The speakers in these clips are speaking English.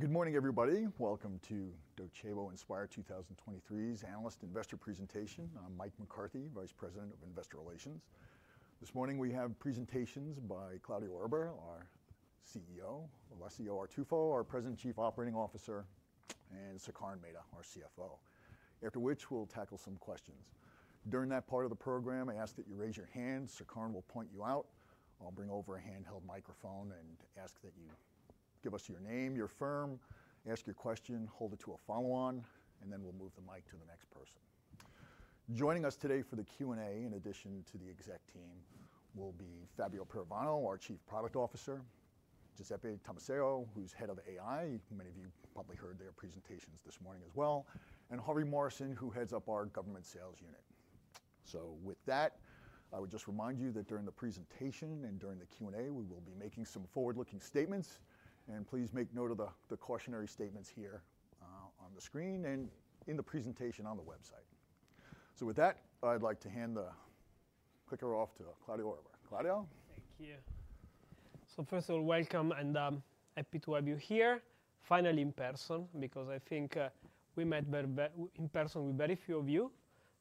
Good morning, everybody. Welcome to Docebo Inspire 2023's Analyst Investor Presentation. I'm Mike McCarthy, Vice President of Investor Relations. This morning we have presentations by Claudio Erba, our CEO; Alessio Artuffo, our President Chief Operating Officer; and Sukaran Mehta, our CFO. After which, we'll tackle some questions. During that part of the program, I ask that you raise your hand. Sukaran will point you out. I'll bring over a handheld microphone and ask that you give us your name, your firm, ask your question, hold it to a follow on, and then we'll move the mic to the next person. Joining us today for the Q&A, in addition to the exec team, will be Fabio Pirovano, our Chief Product Officer; Giuseppe Tomasello, who's Head of AI, many of you probably heard their presentations this morning as well; and Harvey Morrison, who heads up our government sales unit. So with that, I would just remind you that during the presentation and during the Q&A, we will be making some forward-looking statements, and please make note of the cautionary statements here on the screen and in the presentation on the website. So with that, I'd like to hand the clicker off to Claudio Erba. Claudio? Thank you. So first of all, welcome, and I'm happy to have you here finally in person, because I think we met in person with very few of you,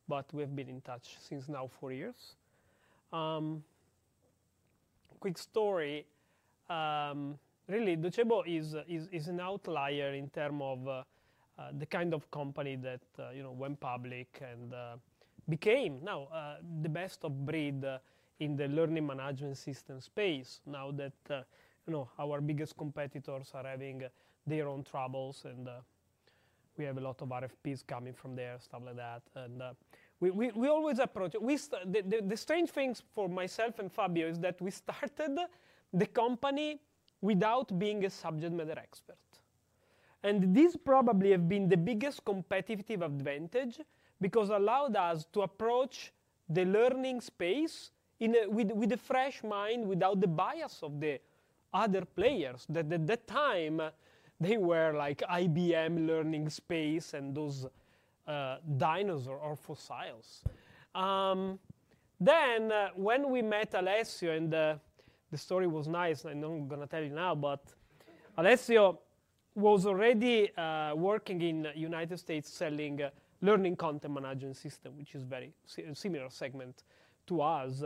but we've been in touch since now four years. Quick story, really, Docebo is an outlier in terms of the kind of company that you know went public and became now the best of breed in the learning management system space now that you know our biggest competitors are having their own troubles and we have a lot of RFPs coming from there, stuff like that. We always approach it. The strange things for myself and Fabio is that we started the company without being a subject matter expert. This probably has been the biggest competitive advantage because it allowed us to approach the learning space with a fresh mind, without the bias of the other players. At that time, they were like IBM learning space and those dinosaur or fossils. When we met Alessio, the story was nice, and I'm gonna tell you now, but Alessio was already working in the United States, selling learning content management system, which is very similar segment to us.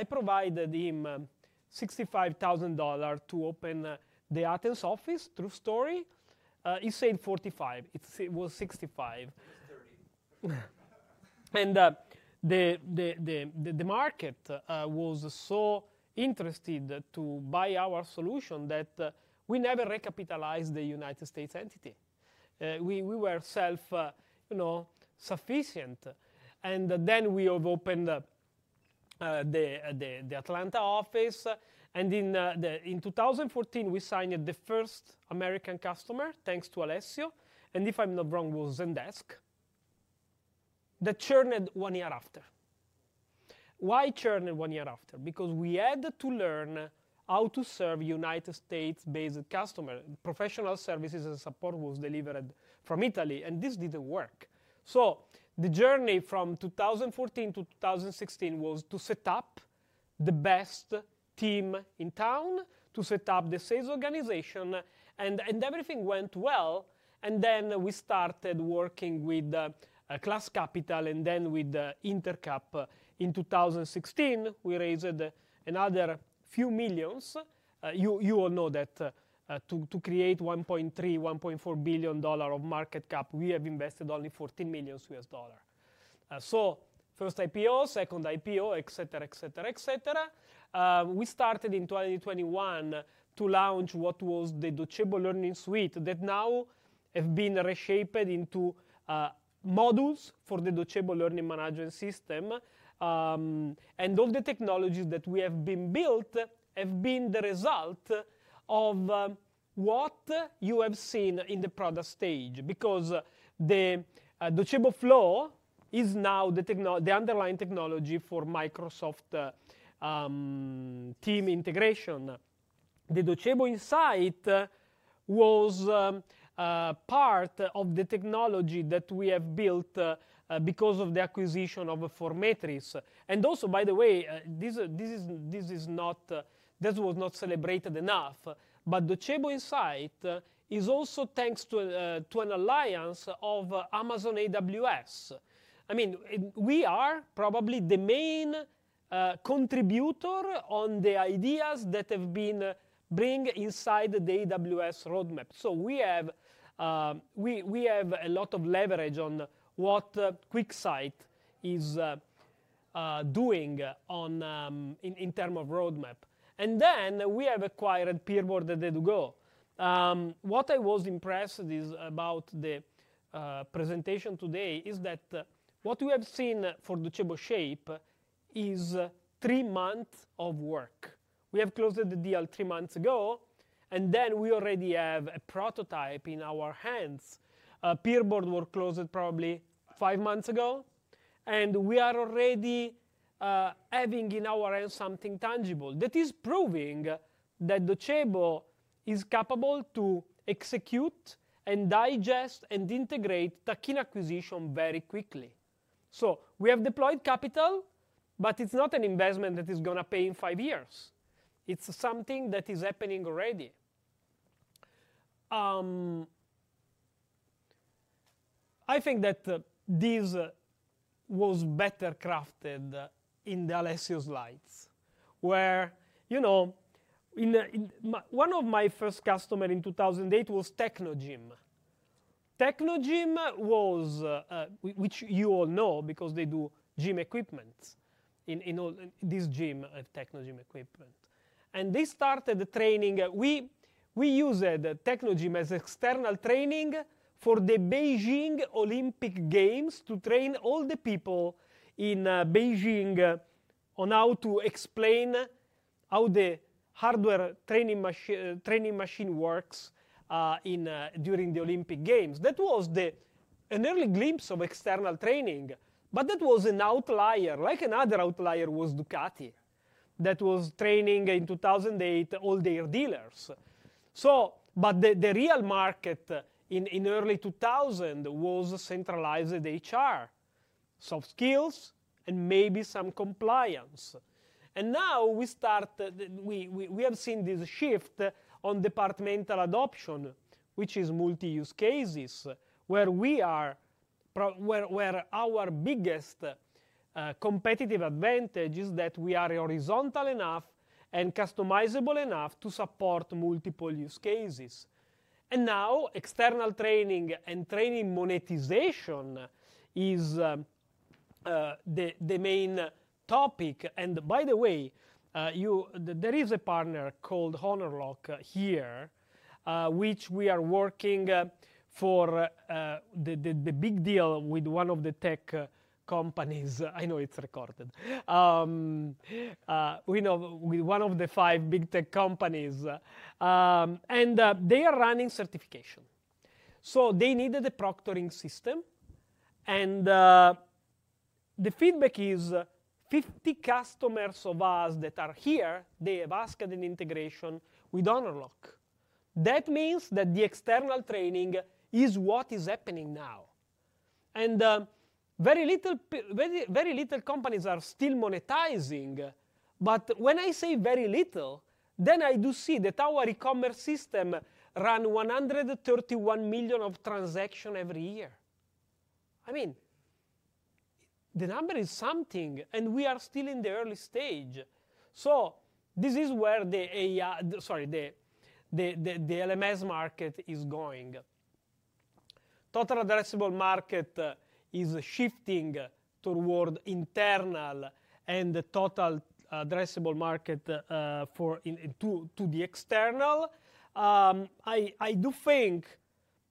I provided him $65,000 to open the Athens office. True story. He said $45,000. It was $65,000. It was 30. The market was so interested to buy our solution that we never recapitalized the United States entity. We were self, you know, sufficient. Then we have opened up the Atlanta office, and in 2014, we signed the first American customer, thanks to Alessio, and if I'm not wrong, it was Zendesk, that churned one year after. Why churn one year after? Because we had to learn how to serve United States-based customer. Professional services and support was delivered from Italy, and this didn't work. The journey from 2014-2016 was to set up the best team in town, to set up the sales organization, and everything went well, and then we started working with Klass Capital and then with Intercap. In 2016, we raised another few millions. You all know that to create $1.3 billion-$1.4 billion of market cap, we have invested only $14 million. First IPO, second IPO, et cetera, et cetera, et cetera. We started in 2021 to launch what was the Docebo Learning Suite that now have been reshaped into modules for the Docebo Learning Management System. All the technologies that we have been built have been the result of what you have seen in the product stage, because the Docebo Flow is now the underlying technology for Microsoft Teams integration. The Docebo Insight was part of the technology that we have built because of the acquisition of forMetris. Also, by the way, this was not celebrated enough, but Docebo Insights is also thanks to an alliance of Amazon AWS. I mean, we are probably the main contributor on the ideas that have been bring inside the AWS roadmap. So we have a lot of leverage on what QuickSight is doing on in term of roadmap. And then we have acquired PeerBoard a day ago. What I was impressed is about the presentation today is that what we have seen for Docebo Shape is three months of work. We have closed the deal three months ago, and then we already have a prototype in our hands. PeerBoard were closed probably five months ago, and we are already having in our hands something tangible that is proving that Docebo is capable to execute and digest and integrate the key acquisition very quickly... So we have deployed capital, but it's not an investment that is gonna pay in five years. It's something that is happening already. I think that this was better crafted in Alessio's slides, where, you know, in my-- one of my first customer in 2008 was Technogym. Technogym was which you all know, because they do gym equipments in all this gym Technogym equipment. And they started training... We used the Technogym as external training for the Beijing Olympic Games, to train all the people in Beijing on how to explain how the hardware training machine works during the Olympic Games. That was an early glimpse of external training, but that was an outlier. Like another outlier was Ducati, that was training in 2008 all their dealers. But the real market in early 2000 was centralized HR, soft skills, and maybe some compliance. And now we have seen this shift on departmental adoption, which is multi-use cases, where our biggest competitive advantage is that we are horizontal enough and customizable enough to support multiple use cases. Now, external training and training monetization is the main topic. By the way, there is a partner called Honorlock here, which we are working for the big deal with one of the tech companies. I know it's recorded. With one of the five big tech companies, and they are running certification. So they needed a proctoring system, and the feedback is 50 customers of ours that are here, they have asked an integration with Honorlock. That means that the external training is what is happening now. Very, very little companies are still monetizing, but when I say very little, then I do see that our e-commerce system run 131 million of transaction every year. I mean, the number is something, and we are still in the early stage. So this is where the AI, the LMS market is going. Total addressable market is shifting toward internal and the total addressable market for to the external. I do think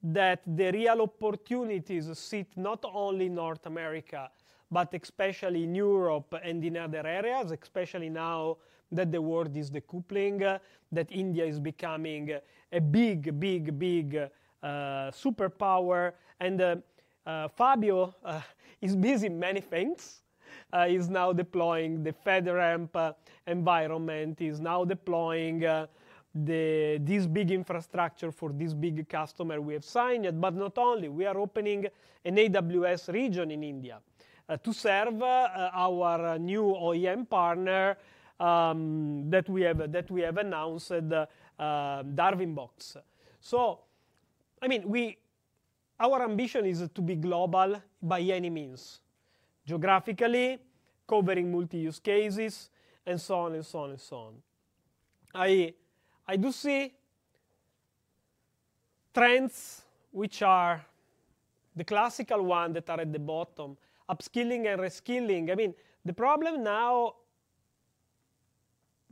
that the real opportunities sit not only in North America, but especially in Europe and in other areas, especially now that the world is decoupling, that India is becoming a big, big, big superpower. And, Fabio is busy many things. He's now deploying the FedRAMP environment. He's now deploying this big infrastructure for this big customer we have signed. But not only, we are opening an AWS region in India to serve our new OEM partner that we have announced, Darwinbox. So, I mean, our ambition is to be global by any means, geographically, covering multi-use cases, and so on, and so on, and so on. I do see trends which are the classical one that are at the bottom, upskilling and reskilling. I mean, the problem now,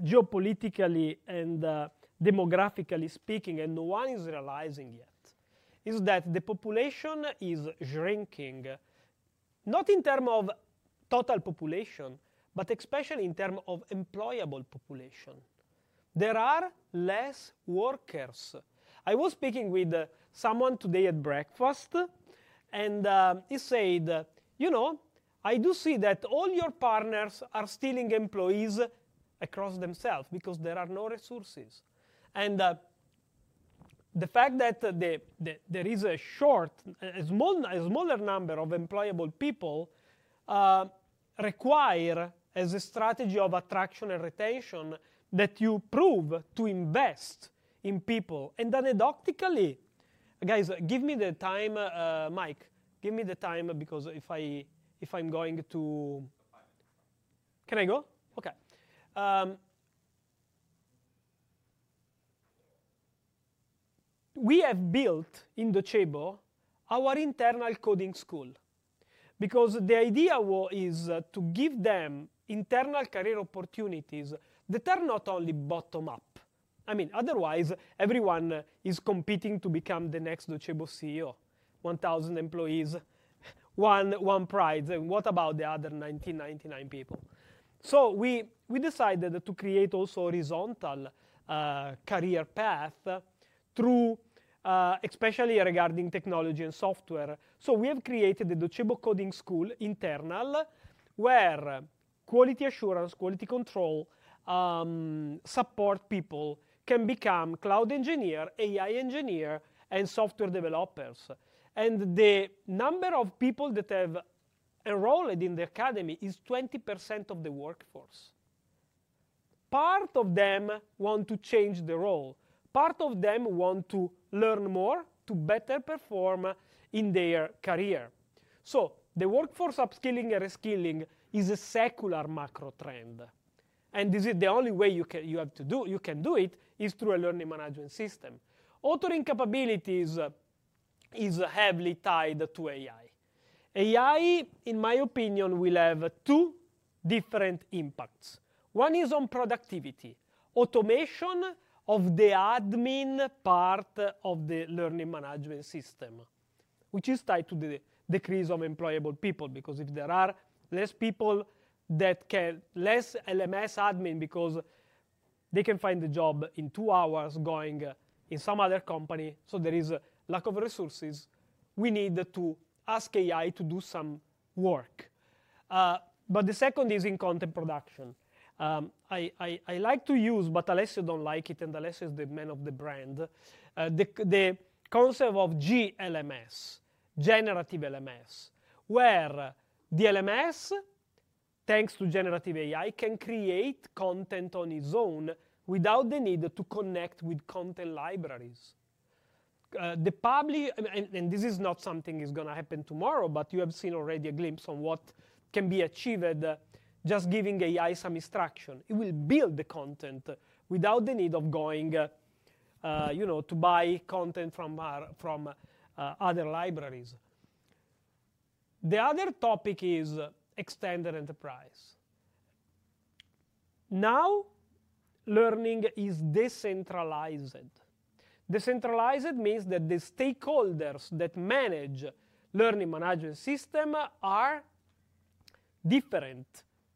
geopolitically and demographically speaking, and no one is realizing yet, is that the population is shrinking, not in term of total population, but especially in term of employable population. There are less workers. I was speaking with someone today at breakfast, and he said, "You know, I do see that all your partners are stealing employees across themselves because there are no resources." The fact that there is a short, a small, a smaller number of employable people require, as a strategy of attraction and retention, that you prove to invest in people. And anecdotally... Guys, give me the time, Mike, give me the time, because if I, if I'm going to- Can I go? Okay. We have built in Docebo our internal coding school, because the idea is to give them internal career opportunities that are not only bottom-up. I mean, otherwise, everyone is competing to become the next Docebo CEO. 1,000 employees, one prize, and what about the other 999 people? So we decided to create also horizontal career path through especially regarding technology and software. So we have created the Docebo Coding School where quality assurance, quality control, support people can become cloud engineer, AI engineer, and software developers. And the number of people that have enrolled in the academy is 20% of the workforce. Part of them want to change the role. Part of them want to learn more to better perform in their career. So the workforce upskilling and reskilling is a secular macro trend, and this is the only way you can—you have to do, you can do it, is through a learning management system. Authoring capabilities is heavily tied to AI. AI, in my opinion, will have two different impacts. One is on productivity, automation of the admin part of the learning management system, which is tied to the decrease of employable people, because if there are less people that can... Less LMS admin because they can find a job in two hours going in some other company, so there is a lack of resources. We need to ask AI to do some work. But the second is in content production. I like to use, but Alessio don't like it, and Alessio is the man of the brand, the concept of GLMS, Generative LMS, where the LMS, thanks to generative AI, can create content on its own without the need to connect with content libraries. The public, and this is not something is gonna happen tomorrow, but you have seen already a glimpse on what can be achieved, just giving AI some instruction. It will build the content without the need of going, you know, to buy content from our, from other libraries. The other topic is extended enterprise. Now, learning is decentralized. Decentralized means that the stakeholders that manage learning management system are different,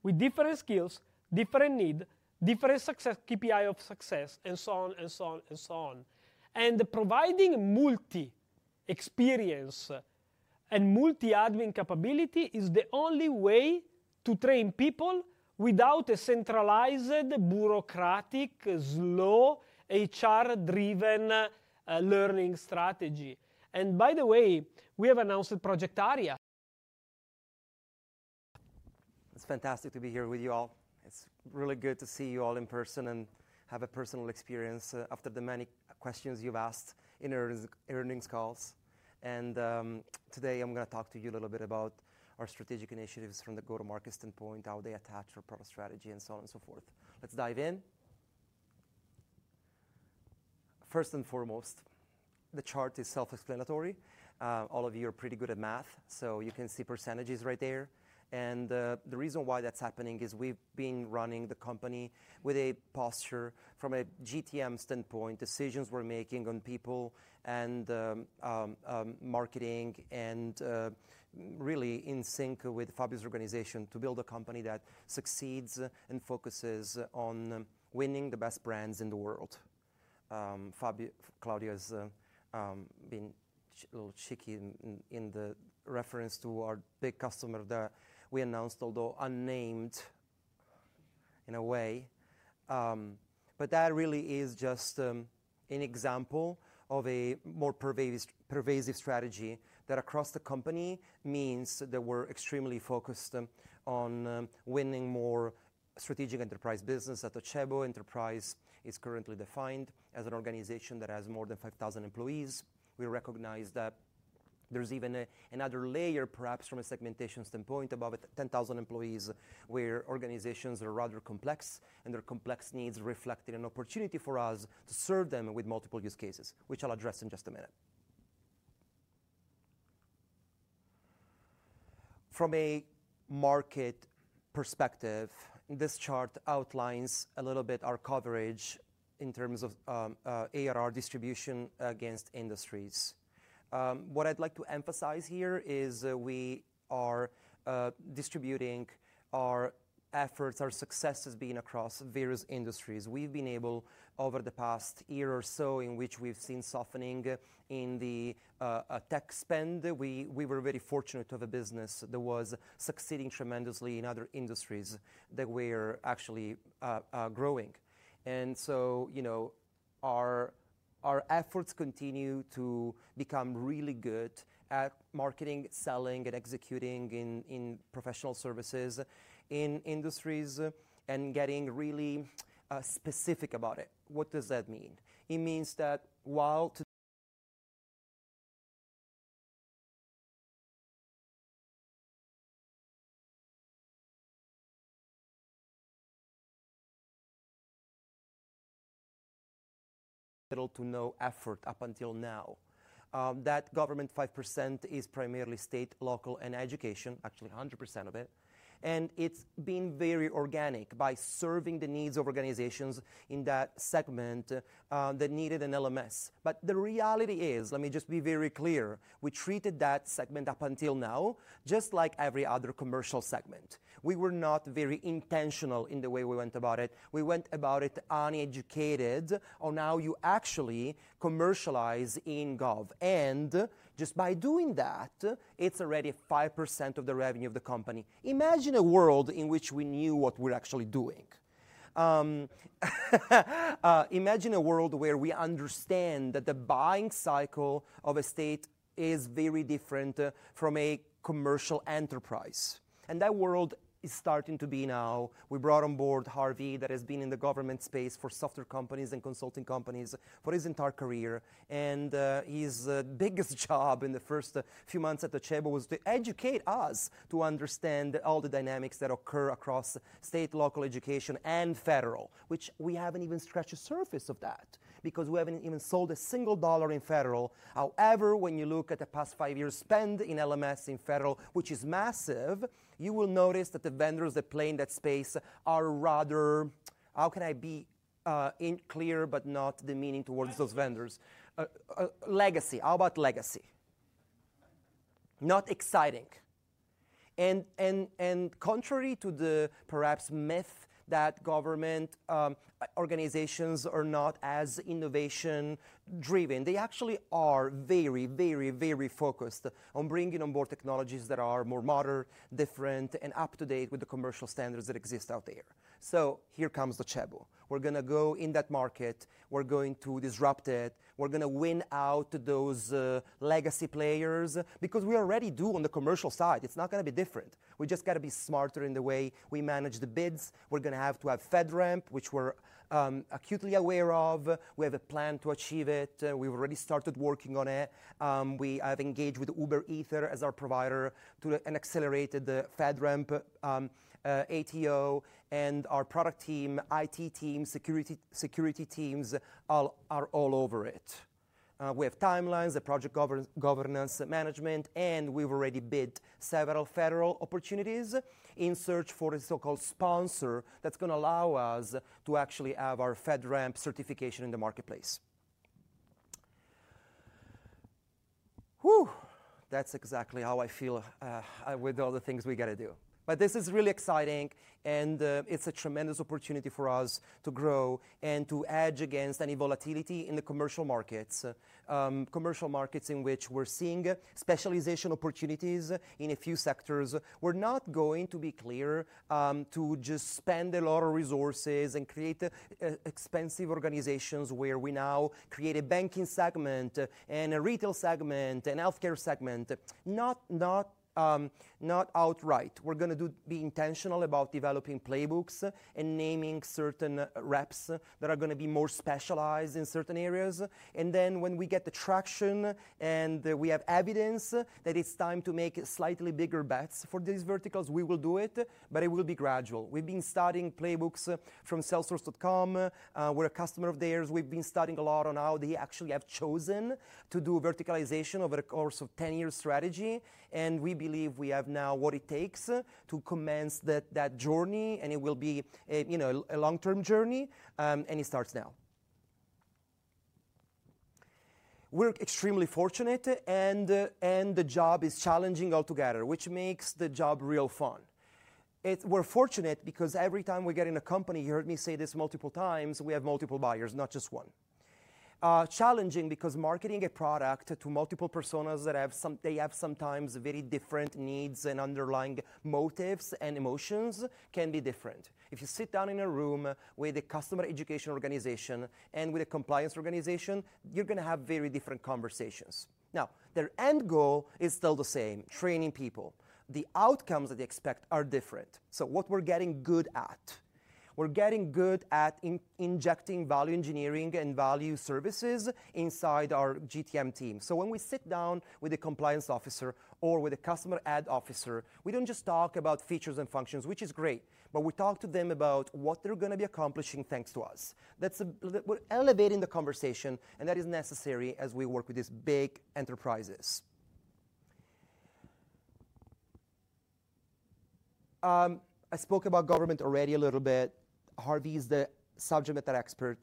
with different skills, different need, different success, KPI of success, and so on, and so on, and so on. Providing multi-experience and multi-admin capability is the only way to train people without a centralized, bureaucratic, slow, HR-driven learning strategy. By the way, we have announced Project Aria. It's fantastic to be here with you all. It's really good to see you all in person and have a personal experience after the many questions you've asked in earnings, earnings calls. Today I'm gonna talk to you a little bit about our strategic initiatives from the go-to-market standpoint, how they attach our product strategy, and so on and so forth. Let's dive in. First and foremost, the chart is self-explanatory. All of you are pretty good at math, so you can see percentages right there. The reason why that's happening is we've been running the company with a posture from a GTM standpoint, decisions we're making on people and marketing, and really in sync with Fabio's organization to build a company that succeeds and focuses on winning the best brands in the world. Claudio has been a little cheeky in the reference to our big customer that we announced, although unnamed in a way. That really is just an example of a more pervasive strategy that across the company means that we're extremely focused on winning more strategic enterprise business as Docebo Enterprise is currently defined as an organization that has more than 5,000 employees. We recognize that there's even a another layer, perhaps from a segmentation standpoint, above 10,000 employees, where organizations are rather complex, and their complex needs reflect an opportunity for us to serve them with multiple use cases, which I'll address in just a minute. From a market perspective, this chart outlines a little bit our coverage in terms of ARR distribution against industries. What I'd like to emphasize here is, we are distributing our efforts, our successes being across various industries. We've been able, over the past year or so, in which we've seen softening in the tech spend, we were very fortunate to have a business that was succeeding tremendously in other industries that were actually growing. You know, our efforts continue to become really good at marketing, selling, and executing in professional services, in industries, and getting really specific about it. What does that mean? It means that while little to no effort up until now. That government 5% is primarily state, local, and education, actually 100% of it, and it's been very organic by serving the needs of organizations in that segment that needed an LMS. But the reality is, let me just be very clear, we treated that segment up until now, just like every other commercial segment. We were not very intentional in the way we went about it. We went about it uneducated on how you actually commercialize in gov, and just by doing that, it's already 5% of the revenue of the company. Imagine a world in which we knew what we're actually doing. Imagine a world where we understand that the buying cycle of a state is very different from a commercial enterprise, and that world is starting to be now. We brought on board Harvey, that has been in the government space for software companies and consulting companies for his entire career, and his biggest job in the first few months at Docebo was to educate us to understand all the dynamics that occur across state, local education and federal, which we haven't even scratched the surface of that because we haven't even sold a single dollar in federal. However, when you look at the past five years spend in LMS in federal, which is massive, you will notice that the vendors that play in that space are rather... How can I be, in clear but not demeaning towards those vendors? Legacy. How about legacy? Not exciting. Contrary to the perhaps myth that government organizations are not as innovation-driven, they actually are very, very, very focused on bringing on board technologies that are more modern, different, and up-to-date with the commercial standards that exist out there. Here comes Docebo. We're gonna go in that market. We're going to disrupt it. We're gonna win out those legacy players because we already do on the commercial side. It's not gonna be different. We just gotta be smarter in the way we manage the bids. We're gonna have to have FedRAMP, which we're acutely aware of. We have a plan to achieve it, we've already started working on it. We have engaged with UberEther as our provider to accelerate the FedRAMP ATO and our product team, IT team, security, security teams, all, are all over it. We have timelines, a project governance management, and we've already bid several federal opportunities in search for a so-called sponsor that's gonna allow us to actually have our FedRAMP certification in the marketplace. That's exactly how I feel with all the things we gotta do. But this is really exciting, and it's a tremendous opportunity for us to grow and to hedge against any volatility in the commercial markets. Commercial markets in which we're seeing specialization opportunities in a few sectors. We're not going to be clear to just spend a lot of resources and create expensive organizations where we now create a banking segment and a retail segment, and healthcare segment. Not outright. We're gonna be intentional about developing playbooks and naming certain reps that are gonna be more specialized in certain areas. And then when we get the traction and we have evidence that it's time to make slightly bigger bets for these verticals, we will do it, but it will be gradual. We've been studying playbooks from Salesforce. We're a customer of theirs. We've been studying a lot on how they actually have chosen to do verticalization over a course of 10-year strategy, and we believe we have now what it takes to commence that journey, and it will be a, you know, a long-term journey, and it starts now. We're extremely fortunate, and the job is challenging altogether, which makes the job real fun. We're fortunate because every time we get in a company, you heard me say this multiple times, we have multiple buyers, not just one. Challenging because marketing a product to multiple personas that have sometimes very different needs and underlying motives and emotions, can be different. If you sit down in a room with a customer education organization and with a compliance organization, you're gonna have very different conversations. Now, their end goal is still the same, training people. The outcomes that they expect are different. So what we're getting good at? We're getting good at injecting value engineering and value services inside our GTM team. So when we sit down with a compliance officer or with a customer ed officer, we don't just talk about features and functions, which is great, but we talk to them about what they're gonna be accomplishing, thanks to us. That's, we're elevating the conversation, and that is necessary as we work with these big enterprises. I spoke about government already a little bit. Harvey is the subject matter expert.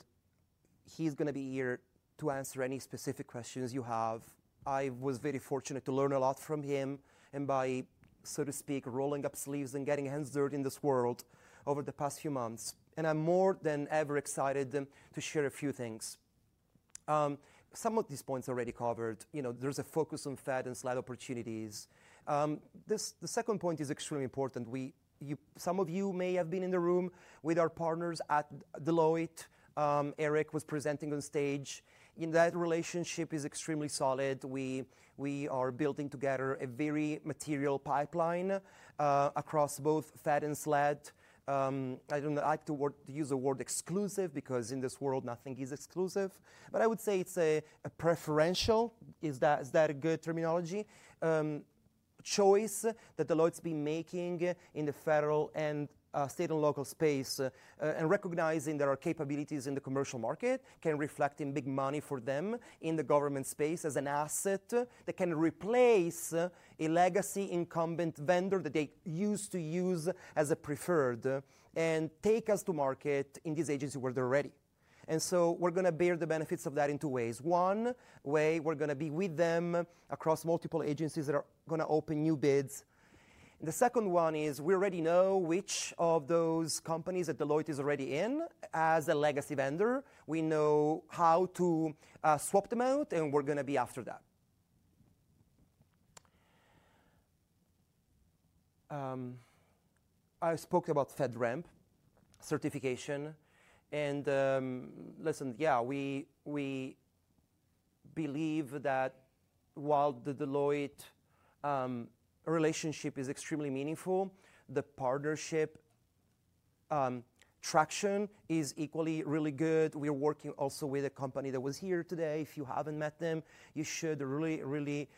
He's gonna be here to answer any specific questions you have. I was very fortunate to learn a lot from him and by, so to speak, rolling up sleeves and getting hands dirty in this world over the past few months. I'm more than ever excited then to share a few things. Some of these points already covered. You know, there's a focus on Fed and SLED opportunities. This, the second point is extremely important. We, you- some of you may have been in the room with our partners at Deloitte. Eric was presenting on stage, and that relationship is extremely solid. We, we are building together a very material pipeline, across both Fed and SLED. I don't like to word, use the word exclusive, because in this world, nothing is exclusive. But I would say it's a preferential, is that a good terminology? Choice that Deloitte's been making in the federal and state and local space, and recognizing there are capabilities in the commercial market can reflect in big money for them in the government space as an asset, that can replace a legacy incumbent vendor that they used to use as a preferred, and take us to market in these agencies where they're ready. And so we're gonna bear the benefits of that in two ways. One way, we're gonna be with them across multiple agencies that are gonna open new bids. The second one is, we already know which of those companies that Deloitte is already in as a legacy vendor. We know how to swap them out, and we're gonna be after that. I spoke about FedRAMP certification, and listen, yeah, we, we believe that while the Deloitte relationship is extremely meaningful, the partnership traction is equally really good. We are working also with a company that was here today. If you haven't met them, you should. Really, really,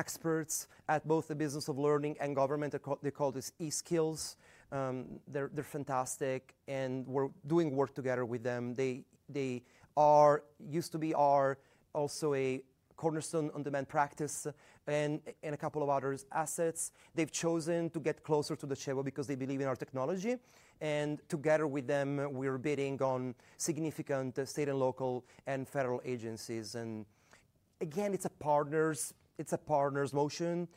experts at both the business of learning and government. They call, they call this eSkillz. They're, they're fantastic, and we're doing work together with them. They, they are used to be our also a cornerstone on-demand practice and, and a couple of other assets. They've chosen to get closer to the Docebo because they believe in our technology, and together with them, we're bidding on significant state and local and federal agencies. And again, it's a partners, it's a partners motion.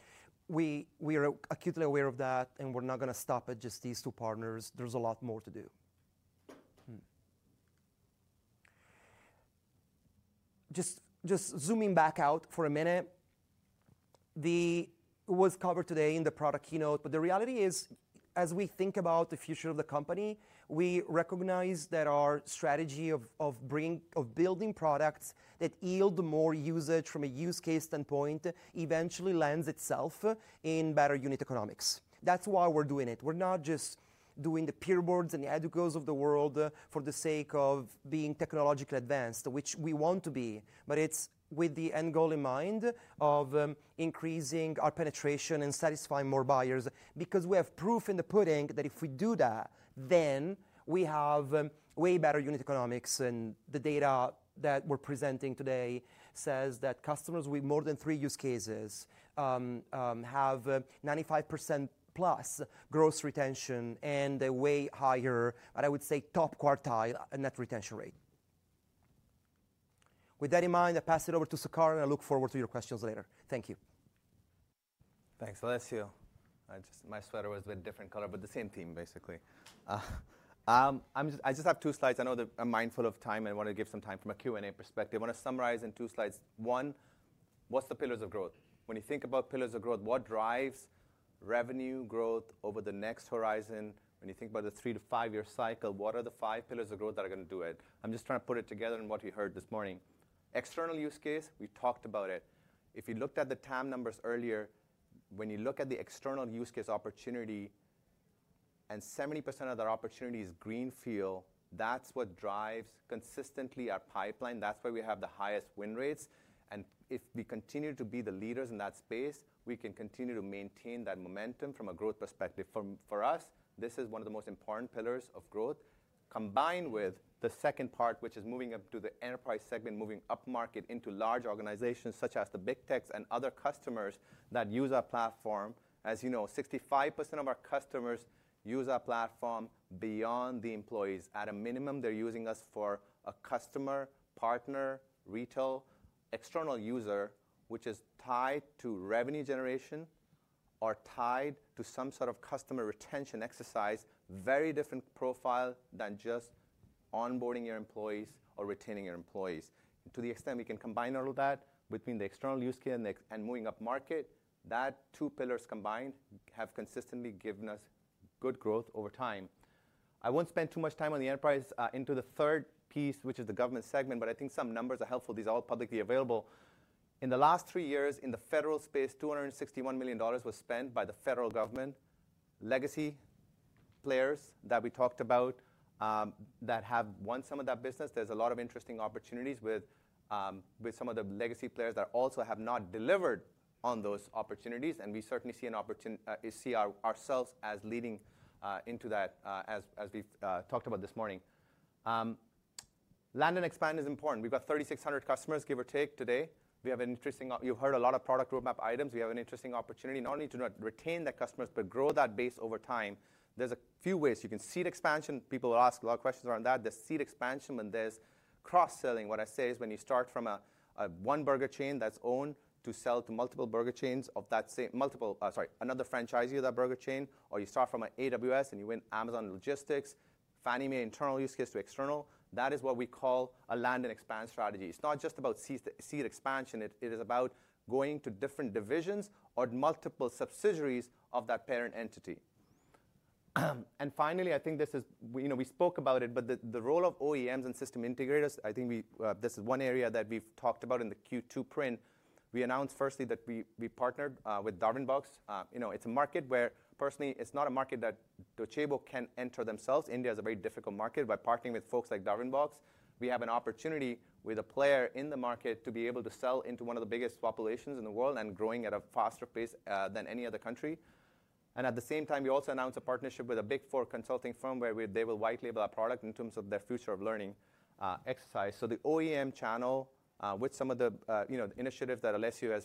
We are acutely aware of that, and we're not gonna stop at just these two partners. There's a lot more to do. Just zooming back out for a minute. It was covered today in the product keynote, but the reality is, as we think about the future of the company, we recognize that our strategy of building products that yield more usage from a use case standpoint eventually lends itself in better unit economics. That's why we're doing it. We're not just doing the PeerBoard and the Edugo.AI of the world for the sake of being technologically advanced, which we want to be, but it's with the end goal in mind of increasing our penetration and satisfying more buyers. Because we have proof in the pudding that if we do that, then we have way better unit economics, and the data that we're presenting today says that customers with more than three use cases have 95%+ gross retention and a way higher, and I would say top quartile, net retention rate. With that in mind, I pass it over to Sukaran, and I look forward to your questions later. Thank you. Thanks, Alessio. Just my sweater was a bit different color, but the same theme, basically. I just have two slides. I know that I'm mindful of time and want to give some time from a Q&A perspective. I want to summarize in two slides. One, what's the pillars of growth? When you think about pillars of growth, what drives revenue growth over the next horizon? When you think about the 3-5-year cycle, what are the five pillars of growth that are gonna do it? I'm just trying to put it together in what we heard this morning. External use case, we talked about it. If you looked at the TAM numbers earlier, when you look at the external use case opportunity, and 70% of that opportunity is greenfield, that's what drives consistently our pipeline. That's why we have the highest win rates, and if we continue to be the leaders in that space, we can continue to maintain that momentum from a growth perspective. For us, this is one of the most important pillars of growth, combined with the second part, which is moving up to the enterprise segment, moving upmarket into large organizations such as the big techs and other customers that use our platform. As you know, 65% of our customers use our platform beyond the employees. At a minimum, they're using us for a customer, partner, retail, external user, which is tied to revenue generation or tied to some sort of customer retention exercise. Very different profile than just onboarding your employees or retaining your employees. To the extent we can combine all of that between the external use case and moving upmarket, that two pillars combined have consistently given us good growth over time. I won't spend too much time on the enterprise, into the third piece, which is the government segment, but I think some numbers are helpful. These are all publicly available. In the last three years, in the federal space, $261 million was spent by the federal government. Legacy players that we talked about, that have won some of that business. There's a lot of interesting opportunities with some of the legacy players that also have not delivered on those opportunities, and we certainly see an opportunity, see ourselves as leading into that, as we've talked about this morning. Land and expand is important. We've got 3,600 customers, give or take, today. We have an interesting. You've heard a lot of product roadmap items. We have an interesting opportunity, not only to retain the customers, but grow that base over time. There's a few ways. You can see the expansion. People ask a lot of questions around that. There's seed expansion, and there's cross-selling. What I say is when you start from a one burger chain that's owned to sell to multiple burger chains of that same... another franchisee of that burger chain, or you start from an AWS, and you win Amazon Logistics, Fannie Mae internal use case to external, that is what we call a land and expand strategy. It's not just about seed, seed expansion. It is about going to different divisions or multiple subsidiaries of that parent entity. Finally, I think this is, you know, we spoke about it, but the role of OEMs and system integrators, I think we, this is one area that we've talked about in the Q2 print. We announced firstly, that we partnered with Darwinbox. You know, it's a market where personally, it's not a market that Docebo can enter themselves. India is a very difficult market. By partnering with folks like Darwinbox, we have an opportunity with a player in the market to be able to sell into one of the biggest populations in the world and growing at a faster pace than any other country. At the same time, we also announced a partnership with a Big Four consulting firm, where we-- they will white label our product in terms of their future of learning exercise. So the OEM channel, with some of the, you know, initiatives that Alessio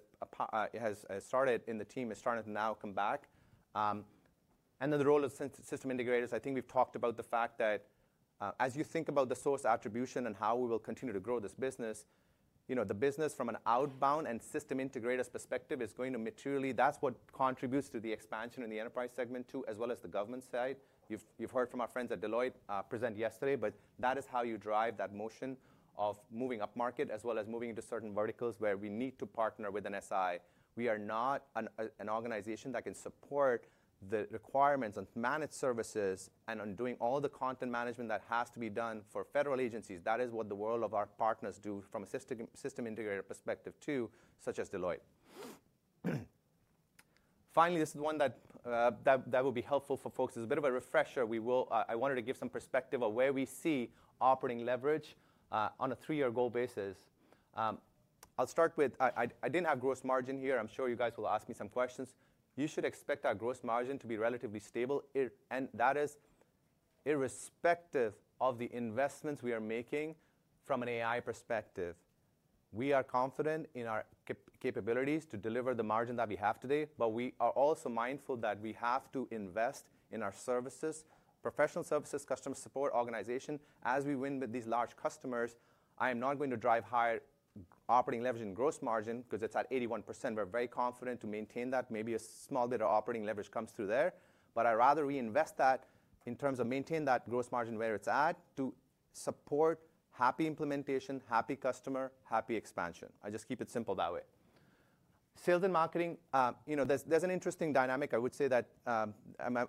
has started in the team, is starting to now come back. And then the role of system integrators, I think we've talked about the fact that, as you think about the source attribution and how we will continue to grow this business- you know, the business from an outbound and system integrators perspective is going to materially-- That's what contributes to the expansion in the enterprise segment, too, as well as the government side. You've heard from our friends at Deloitte present yesterday, but that is how you drive that motion of moving upmarket, as well as moving into certain verticals where we need to partner with an SI. We are not an organization that can support the requirements on managed services and on doing all the content management that has to be done for federal agencies. That is what the world of our partners do from a system integrator perspective, too, such as Deloitte. Finally, this is one that will be helpful for folks. It's a bit of a refresher. We will. I wanted to give some perspective on where we see operating leverage on a three-year goal basis. I'll start with... I didn't have gross margin here. I'm sure you guys will ask me some questions. You should expect our gross margin to be relatively stable, and that is irrespective of the investments we are making from an AI perspective. We are confident in our capabilities to deliver the margin that we have today, but we are also mindful that we have to invest in our services, professional services, customer support, organization. As we win with these large customers, I am not going to drive higher operating leverage and gross margin because it's at 81%. We're very confident to maintain that. Maybe a small bit of operating leverage comes through there, but I rather reinvest that in terms of maintain that gross margin where it's at, to support happy implementation, happy customer, happy expansion. I just keep it simple that way. Sales and marketing, you know, there's an interesting dynamic. I would say that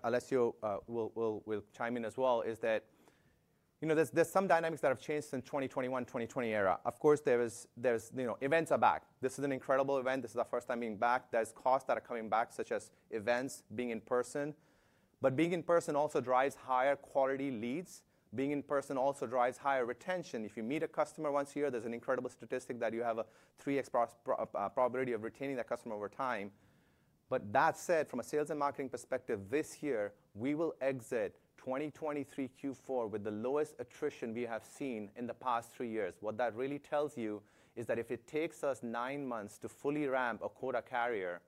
Alessio will chime in as well, is that, you know, there's some dynamics that have changed since 2021, 2020 era. Of course, there is - there's, you know, events are back. This is an incredible event. This is the first time being back. There's costs that are coming back, such as events, being in person. But being in person also drives higher quality leads. Being in person also drives higher retention. If you meet a customer once a year, there's an incredible statistic that you have a 3x probability of retaining that customer over time. But that said, from a sales and marketing perspective, this year, we will exit 2023 Q4 with the lowest attrition we have seen in the past three years. What that really tells you is that if it takes us nine months to fully ramp a quota carrier,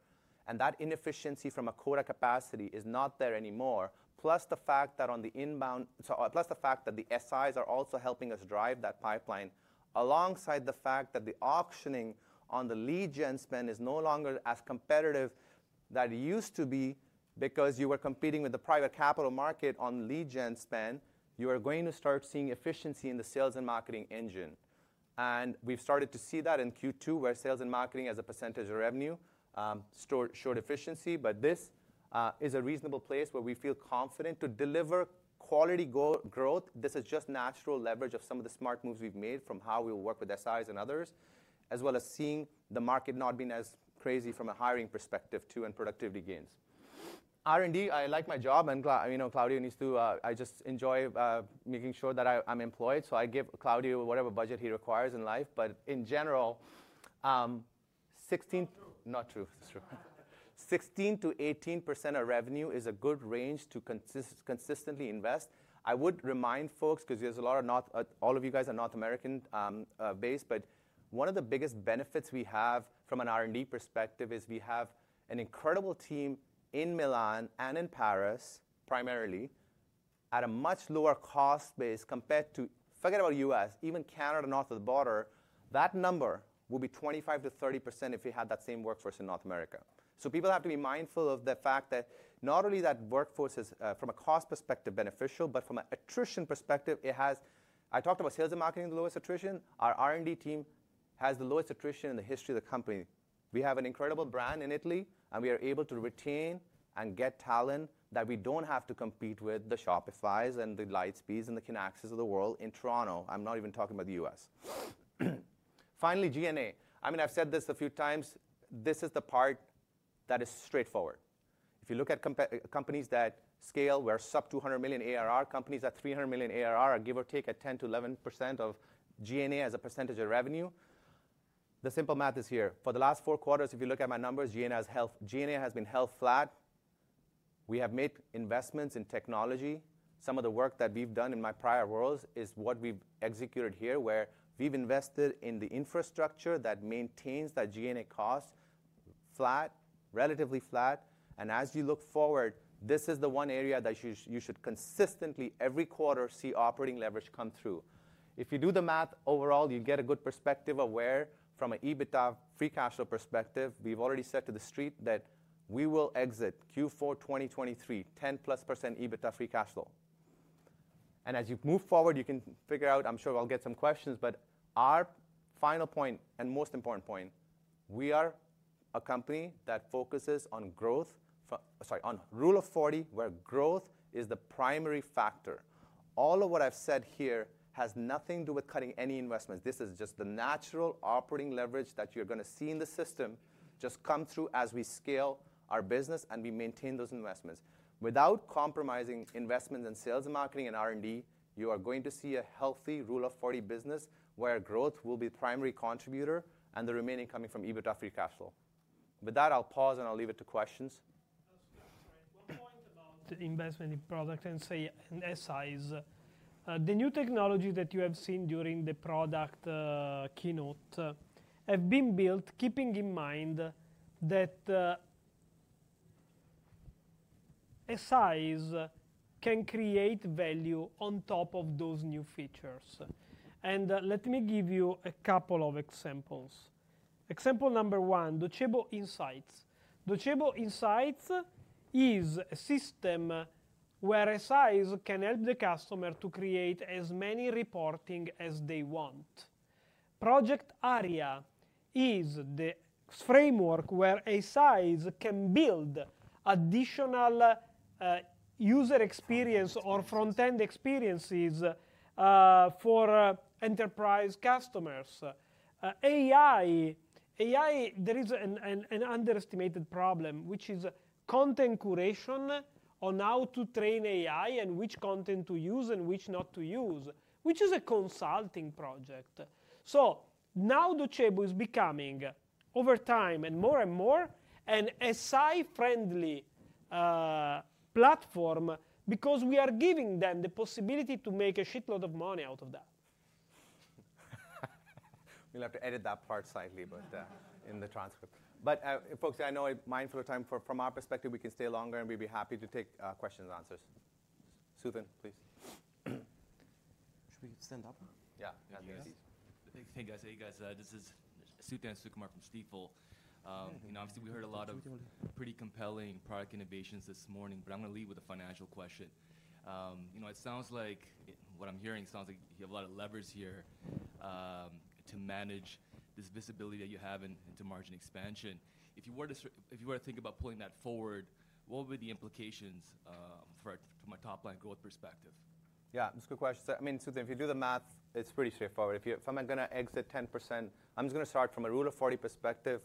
and that inefficiency from a quota capacity is not there anymore, plus the fact that on the inbound. So, plus the fact that the SIs are also helping us drive that pipeline, alongside the fact that the auctioning on the lead gen spend is no longer as competitive that it used to be because you were competing with the private capital market on lead gen spend, you are going to start seeing efficiency in the sales and marketing engine. And we've started to see that in Q2, where sales and marketing as a percentage of revenue, sort of showed efficiency. But this is a reasonable place where we feel confident to deliver quality growth. This is just natural leverage of some of the smart moves we've made from how we work with SIs and others, as well as seeing the market not being as crazy from a hiring perspective, too, and productivity gains. R&D, I like my job, I'm glad, you know, Claudio needs to. I just enjoy, you know, making sure that I, I'm employed, so I give Claudio whatever budget he requires in life. In general, 16- Not true. Not true. That's true. 16%-18% of revenue is a good range to consistently invest. I would remind folks, because there's a lot of North-- all of you guys are North American based, but one of the biggest benefits we have from an R&D perspective is we have an incredible team in Milan and in Paris, primarily, at a much lower cost base compared to... Forget about U.S., even Canada, north of the border, that number will be 25%-30% if we had that same workforce in North America. So people have to be mindful of the fact that not only that workforce is from a cost perspective, beneficial, but from an attrition perspective, it has-- I talked about sales and marketing, the lowest attrition. Our R&D team has the lowest attrition in the history of the company. We have an incredible brand in Italy, and we are able to retain and get talent that we don't have to compete with the Shopifys and the Lightspeeds and the Kinaxis of the world in Toronto. I'm not even talking about the U.S. Finally, G&A. I mean, I've said this a few times, this is the part that is straightforward. If you look at companies that scale, where sub 200 million ARR, companies at 300 million ARR, are give or take, at 10%-11% of G&A as a percentage of revenue. The simple math is here: For the last four quarters, if you look at my numbers, G&A's [held]. G&A has been held flat. We have made investments in technology. Some of the work that we've done in my prior roles is what we've executed here, where we've invested in the infrastructure that maintains that G&A cost flat, relatively flat. And as you look forward, this is the one area that you should consistently, every quarter, see operating leverage come through. If you do the math overall, you get a good perspective of where, from an EBITDA free cash flow perspective, we've already said to the street that we will exit Q4 2023, 10%+ EBITDA free cash flow. And as you move forward, you can figure out, I'm sure I'll get some questions, but our final point and most important point, we are a company that focuses on growth... Sorry, on Rule of 40, where growth is the primary factor. All of what I've said here has nothing to do with cutting any investments. This is just the natural operating leverage that you're gonna see in the system just come through as we scale our business and we maintain those investments. Without compromising investment in sales and marketing and R&D, you are going to see a healthy Rule of 40 business, where growth will be the primary contributor and the remaining coming from EBITDA free cash flow. With that, I'll pause and I'll leave it to questions. One point about investment in product and, say, in SIs. The new technology that you have seen during the product keynote have been built keeping in mind that SI's can create value on top of those new features. And, let me give you a couple of examples. Example number one: Docebo Insights. Docebo Insights is a system where SI's can help the customer to create as many reporting as they want. Project Aria is the framework where SI's can build additional user experience or front-end experiences for enterprise customers. AI, there is an underestimated problem, which is content curation on how to train AI and which content to use and which not to use, which is a consulting project. So now Docebo is becoming, over time and more and more, an SI-friendly platform, because we are giving them the possibility to make a shitload of money out of that. We'll have to edit that part slightly, but in the transcript. But, folks, I know I'm mindful of time, from our perspective, we can stay longer, and we'd be happy to take questions and answers. Suthan, please. Should we stand up? Yeah. Yeah, please. Yes. Hey, guys. Hey, guys. This is Suthan Sukumar from Stifel. You know, obviously, we heard a lot of pretty compelling product innovations this morning, but I'm gonna lead with a financial question. You know, it sounds like what I'm hearing sounds like you have a lot of levers here to manage this visibility that you have into margin expansion. If you were to think about pulling that forward, what would be the implications for from a top-line growth perspective? Yeah, that's a good question. I mean, Suthan, if you do the math, it's pretty straightforward. If I'm gonna exit 10%, I'm just gonna start from a Rule of 40 perspective.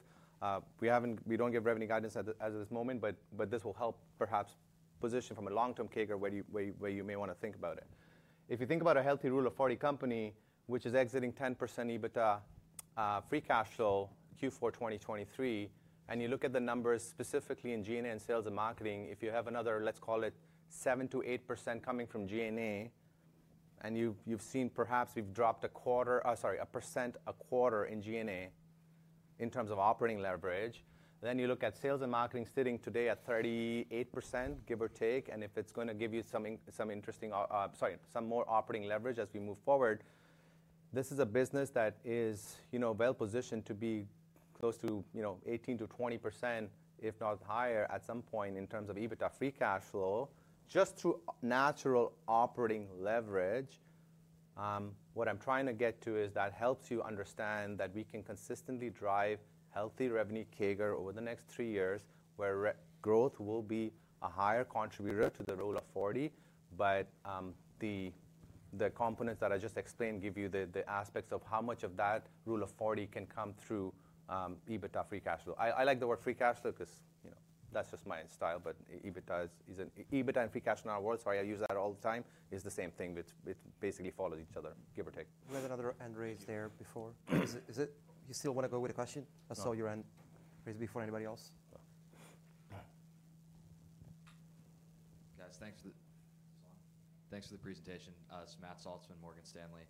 We don't give revenue guidance as of this moment, but this will help perhaps position from a long-term CAGR, where you may wanna think about it. If you think about a healthy Rule of 40 company, which is exiting 10% EBITDA, free cash flow, Q4 2023, and you look at the numbers specifically in G&A and sales and marketing, if you have another, let's call it 7%-8% coming from G&A, and you've seen perhaps we've dropped a percent a quarter in G&A in terms of operating leverage. Then, you look at sales and marketing sitting today at 38%, give or take, and if it's gonna give you some more operating leverage as we move forward, this is a business that is, you know, well-positioned to be close to, you know, 18%-20%, if not higher, at some point in terms of EBITDA free cash flow, just through natural operating leverage. What I'm trying to get to is that helps you understand that we can consistently drive healthy revenue CAGR over the next three years, where growth will be a higher contributor to the Rule of 40. But, the components that I just explained give you the aspects of how much of that Rule of 40 can come through, EBITDA free cash flow. I like the word free cash flow 'cause, you know, that's just my style, but EBITDA is an... EBITDA and free cash flow are words, so I use that all the time, is the same thing, but it basically follow each other, give or take. We had another hand raised there before. Is it, is it? You still wanna go with the question? I saw your hand raised before anybody else. Guys, thanks for the... Is this on? Thanks for the presentation. It's Matt Saltzman, Morgan Stanley.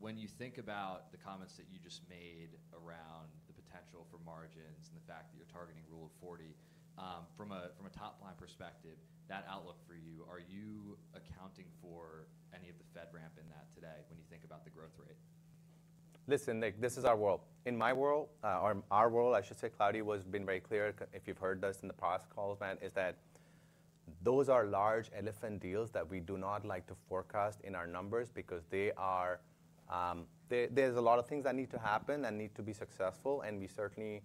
When you think about the comments that you just made around the potential for margins and the fact that you're targeting Rule of 40, from a top-line perspective, that outlook for you, are you accounting for any of the FedRAMP in that today when you think about the growth rate? Listen, Matt, this is our world. In my world, or our world, I should say, Claudio has been very clear, if you've heard us in the past calls, Matt, is that those are large elephant deals that we do not like to forecast in our numbers because they are. There's a lot of things that need to happen and need to be successful. And we certainly,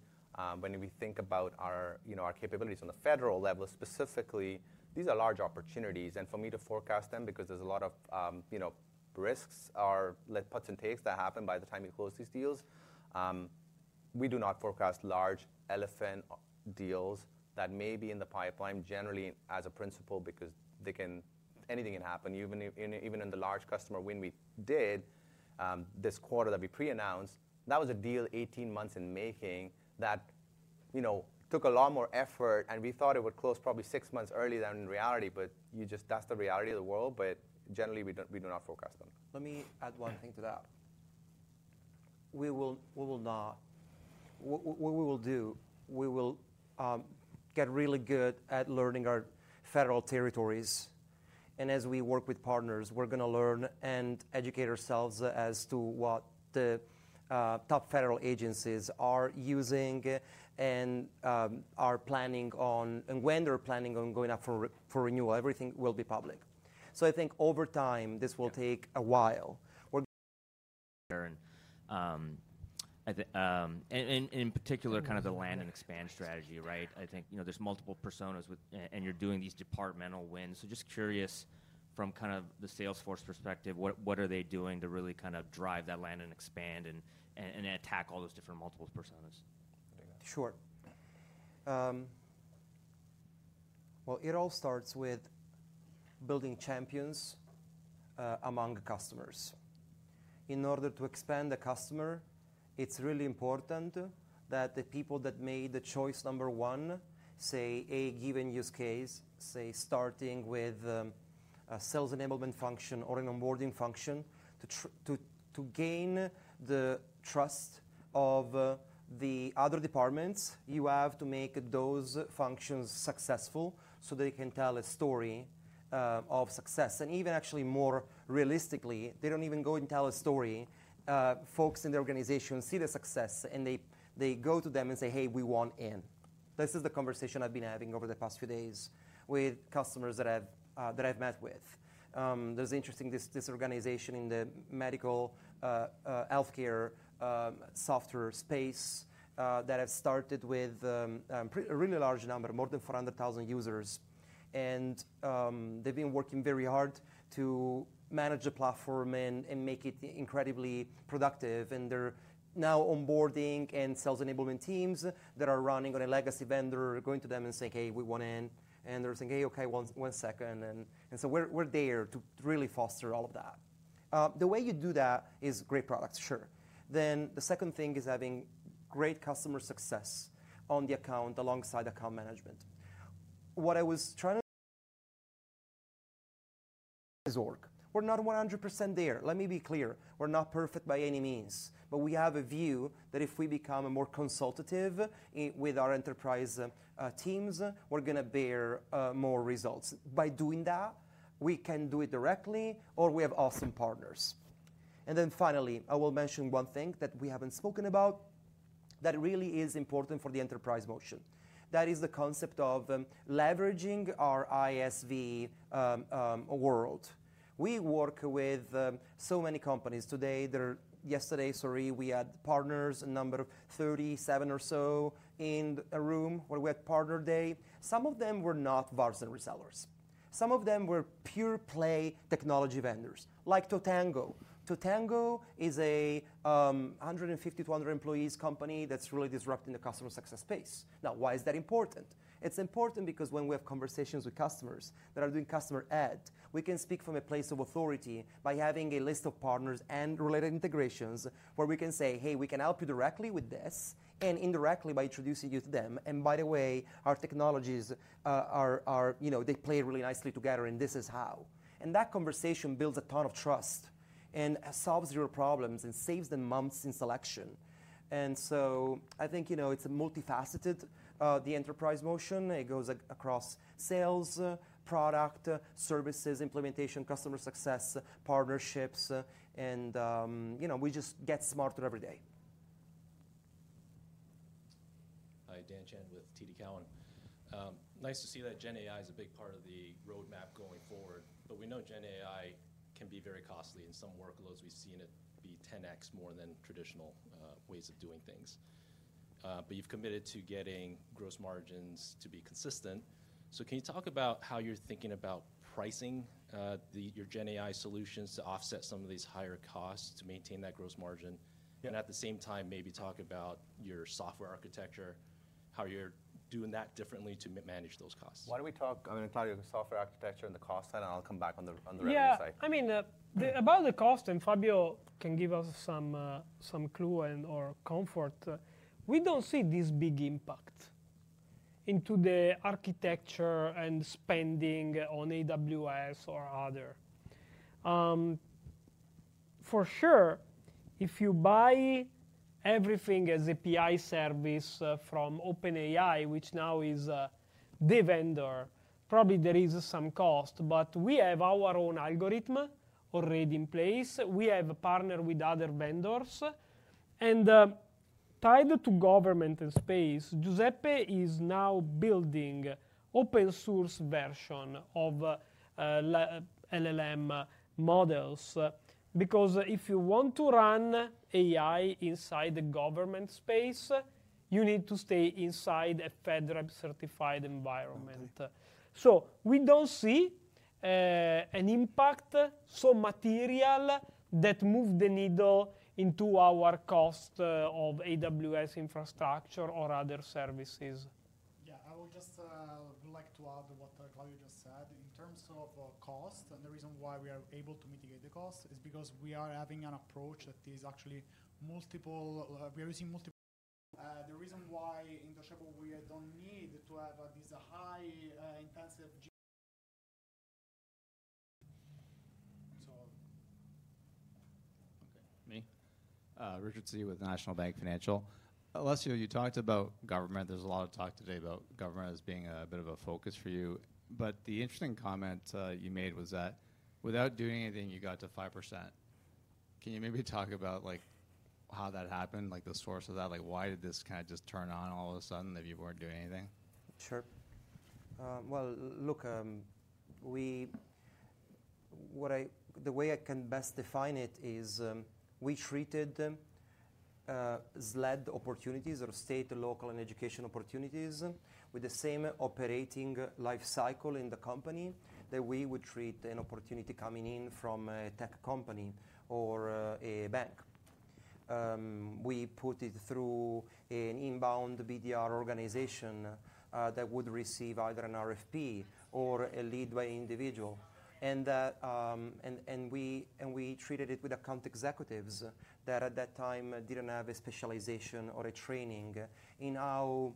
when we think about our, you know, our capabilities on the federal level, specifically, these are large opportunities, and for me to forecast them, because there's a lot of, you know, risks or like, puts and takes that happen by the time you close these deals. We do not forecast large elephant deals that may be in the pipeline generally as a principle because they can, anything can happen. Even in the large customer win we did this quarter that we pre-announced, that was a deal 18 months in making that, you know, took a lot more effort, and we thought it would close probably six months earlier than in reality, but you just-- that's the reality of the world, but generally, we do, we do not forecast them. Let me add one thing to that. We will not—what we will do, we will get really good at learning our federal territories, and as we work with partners, we're gonna learn and educate ourselves as to what the top federal agencies are using and are planning on... And when they're planning on going up for re, for renewal. Everything will be public. So I think over time, this will take a while. We're-... I think, and in particular, kind of the land and expand strategy, right? I think, you know, there's multiple personas with, and you're doing these departmental wins. So just curious from kind of the Salesforce perspective, what are they doing to really kind of drive that land and expand and attack all those different multiple personas? Sure. Well, it all starts with building champions among customers. In order to expand the customer, it's really important that the people that made the choice number one, say, a given use case, say, starting with a sales enablement function or an onboarding function. To gain the trust of the other departments, you have to make those functions successful so they can tell a story of success. And even actually more realistically, they don't even go and tell a story. Folks in the organization see the success, and they go to them and say, "Hey, we want in." This is the conversation I've been having over the past few days with customers that I've met with. There's interesting, this, this organization in the medical, healthcare, software space, that have started with a really large number, more than 400,000 users. They've been working very hard to manage the platform and make it incredibly productive, and they're now onboarding, and sales enablement teams that are running on a legacy vendor are going to them and saying, "Hey, we want in." And they're saying, "Hey, okay, one second." And so we're there to really foster all of that. The way you do that is great products, sure. Then the second thing is having great customer success on the account, alongside account management. What I was trying to is org. We're not 100% there. Let me be clear, we're not perfect by any means, but we have a view that if we become more consultative with our enterprise teams, we're gonna bear more results. By doing that, we can do it directly or we have awesome partners. Finally, I will mention one thing that we haven't spoken about that really is important for the enterprise motion. That is the concept of leveraging our ISV world. We work with so many companies. Yesterday, we had partners, a number of 37 or so in a room, where we had partner day. Some of them were not VARs and resellers. Some of them were pure play technology vendors, like Totango. Totango is a 150-200 employees company that's really disrupting the customer success space. Now, why is that important? It's important because when we have conversations with customers that are doing customer ed, we can speak from a place of authority by having a list of partners and related integrations, where we can say, "Hey, we can help you directly with this, and indirectly by introducing you to them. By the way, our technologies are, you know, they play really nicely together, and this is how." That conversation builds a ton of trust and solves your problems and saves them months in selection. I think, you know, it's a multifaceted, the enterprise motion. It goes across sales, product, services, implementation, customer success, partnerships, and, you know, we just get smarter every day. Hi, Daniel Chan with TD Cowen. Nice to see that Gen AI is a big part of the roadmap going forward, but we know Gen AI can be very costly. In some workloads, we've seen it be 10x more than traditional ways of doing things. But you've committed to getting gross margins to be consistent. So can you talk about how you're thinking about pricing your Gen AI solutions to offset some of these higher costs to maintain that gross margin? Yeah. At the same time, maybe talk about your software architecture, how you're doing that differently to manage those costs. Why don't we talk... I'm gonna talk software architecture and the cost side, and I'll come back on the, on the revenue side. Yeah. I mean, about the cost, and Fabio can give us some clue and/or comfort. We don't see this big impact into the architecture and spending on AWS or other. For sure, if you buy everything as API service from OpenAI, which now is the vendor, probably there is some cost, but we have our own algorithm already in place. We have a partner with other vendors. And, tied to government and space, Giuseppe is now building open source version of LLM models. Because if you want to run AI inside the government space, you need to stay inside a FedRAMP-certified environment. Okay. We don't see an impact so material that would move the needle into our cost of AWS infrastructure or other services. Yeah, I would just like to add to what Claudio just said. In terms of cost and the reason why we are able to mitigate the cost, is because we are having an approach that is actually multiple—we are using multiple. The reason why in Docebo we don't need to have this high, intensive. Okay. Me? Richard Tse with National Bank Financial. Alessio, you talked about government. There's a lot of talk today about government as being a bit of a focus for you, but the interesting comment you made was that without doing anything, you got to 5%. Can you maybe talk about, like, how that happened, like, the source of that? Like, why did this kind of just turn on all of a sudden, if you weren't doing anything? Sure. Well, look, the way I can best define it is, we treated them, SLED opportunities or state and local and education opportunities, with the same operating life cycle in the company that we would treat an opportunity coming in from a tech company or a bank. We put it through an inbound BDR organization that would receive either an RFP or a lead by individual. And we treated it with account executives that at that time, didn't have a specialization or a training in how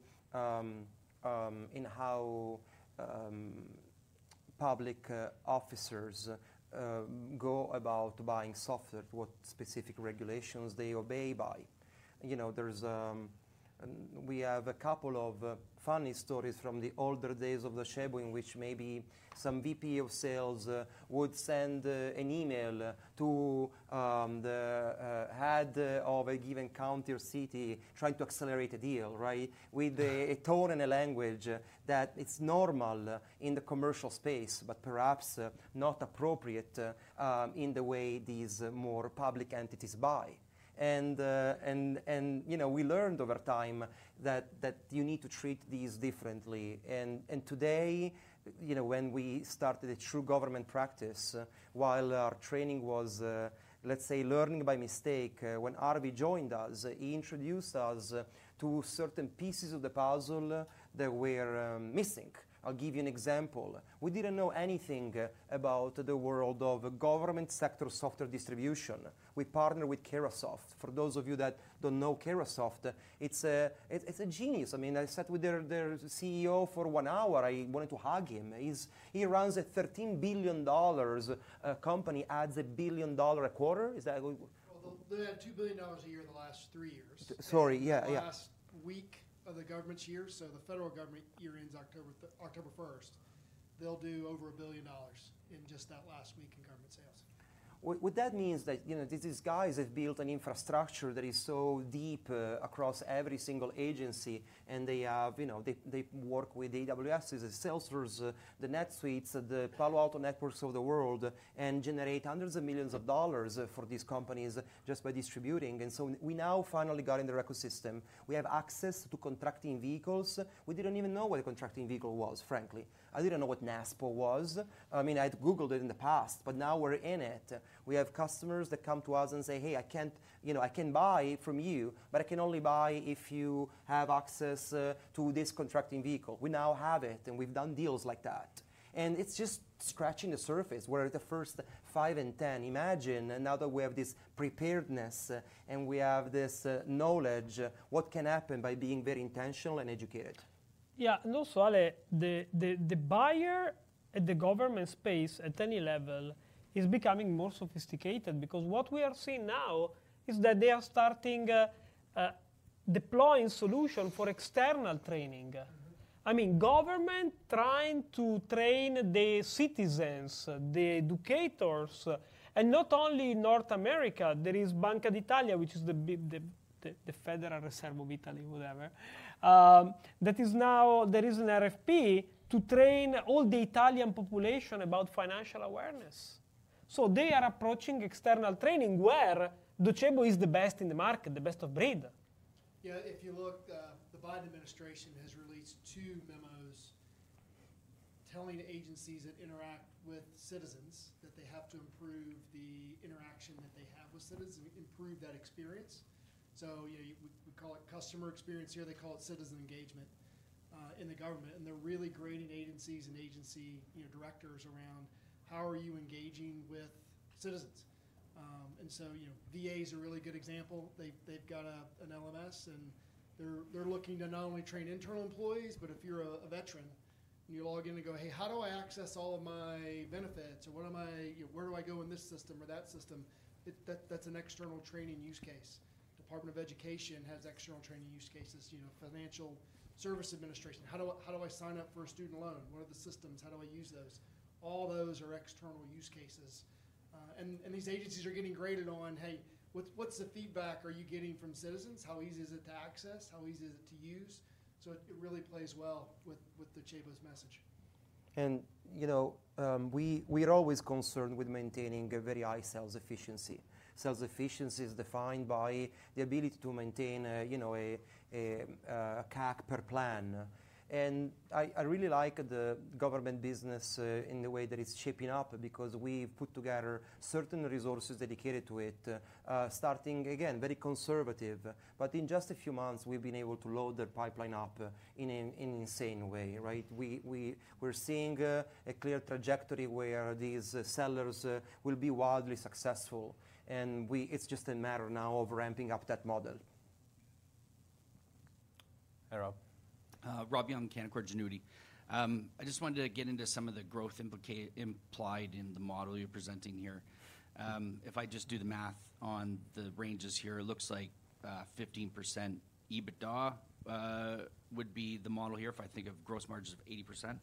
public officers go about buying software, what specific regulations they obey by. You know, there's and we have a couple of funny stories from the older days of Docebo in which maybe some VP of sales would send an email to the head of a given county or city, trying to accelerate a deal, right? With a tone and a language that it's normal in the commercial space, but perhaps not appropriate in the way these more public entities buy. And you know, we learned over time that you need to treat these differently. And today, you know, when we started a true government practice, while our training was, let's say, learning by mistake, when Harvey joined us, he introduced us to certain pieces of the puzzle that we were missing. I'll give you an example. We didn't know anything about the world of government sector software distribution. We partnered with Carahsoft. For those of you that don't know Carahsoft, it's a, it's a genius. I mean, I sat with their, their CEO for one hour. I wanted to hug him. He's- he runs a $13 billion company, adds $1 billion a quarter. Is that- Well, they had $2 billion a year in the last 3 years. Sorry. Yeah, yeah. Last week of the government's year, so the federal government year ends October first, they'll do over $1 billion in just that last week in government sales. What that means is that, you know, these guys have built an infrastructure that is so deep, across every single agency, and they have, you know, they work with AWS, Salesforce, the NetSuites, the Palo Alto Networks of the world, and generate hundreds of millions of dollars for these companies just by distributing. We now finally got in the ecosystem. We have access to contracting vehicles. I didn't even know what a contracting vehicle was, frankly. I didn't know what NASPO was. I mean, I'd Googled it in the past, but now we're in it. We have customers that come to us and say, "Hey, I can't... You know, I can buy from you, but I can only buy if you have access, to this contracting vehicle." We now have it, and we've done deals like that. It's just scratching the surface. We're the first five and 10. Imagine, now that we have this preparedness, and we have this knowledge, what can happen by being very intentional and educated. Yeah, and also, Ale, the buyer at the government space, at any level, is becoming more sophisticated because what we are seeing now is that they are starting deploying solution for external training. I mean, government trying to train their citizens, the educators, and not only in North America, there is Banca d'Italia, which is the Federal Reserve of Italy, whatever, that is now there is an RFP to train all the Italian population about financial awareness. So they are approaching external training where Docebo is the best in the market, the best of breed. Yeah, if you look, the Biden administration has released two memos telling agencies that interact with citizens that they have to improve the interaction that they have with citizens, improve that experience. Yeah, you know, we call it Customer Experience here, they call it citizen engagement in the government, and they're really grading agencies and agency, you know, directors around, "How are you engaging with citizens?" You know, VA is a really good example. They've got a, an LMS, and they're looking to not only train internal employees, but if you're a veteran and you log in and go, "Hey, how do I access all of my benefits? Or what am I-- Where do I go in this system or that system?" That's an external training use case. Department of Education has external training use cases, you know, Federal Student Aid. "How do I, how do I sign up for a student loan? What are the systems? How do I use those?" All those are external use cases. And these agencies are getting graded on, "Hey, what's, what's the feedback are you getting from citizens? How easy is it to access? How easy is it to use?" So it really plays well with Docebo's message. You know, we are always concerned with maintaining a very high sales efficiency. Sales efficiency is defined by the ability to maintain a, you know, a CAC per plan. And I really like the government business in the way that it's shaping up because we've put together certain resources dedicated to it, starting again, very conservative, but in just a few months, we've been able to load the pipeline up in an insane way, right? We're seeing a clear trajectory where these sellers will be wildly successful, and it's just a matter now of ramping up that model. Hi, Rob. Rob Young, Canaccord Genuity. I just wanted to get into some of the growth implied in the model you're presenting here. If I just do the math on the ranges here, it looks like 15% EBITDA would be the model here, if I think of gross margins of 80%.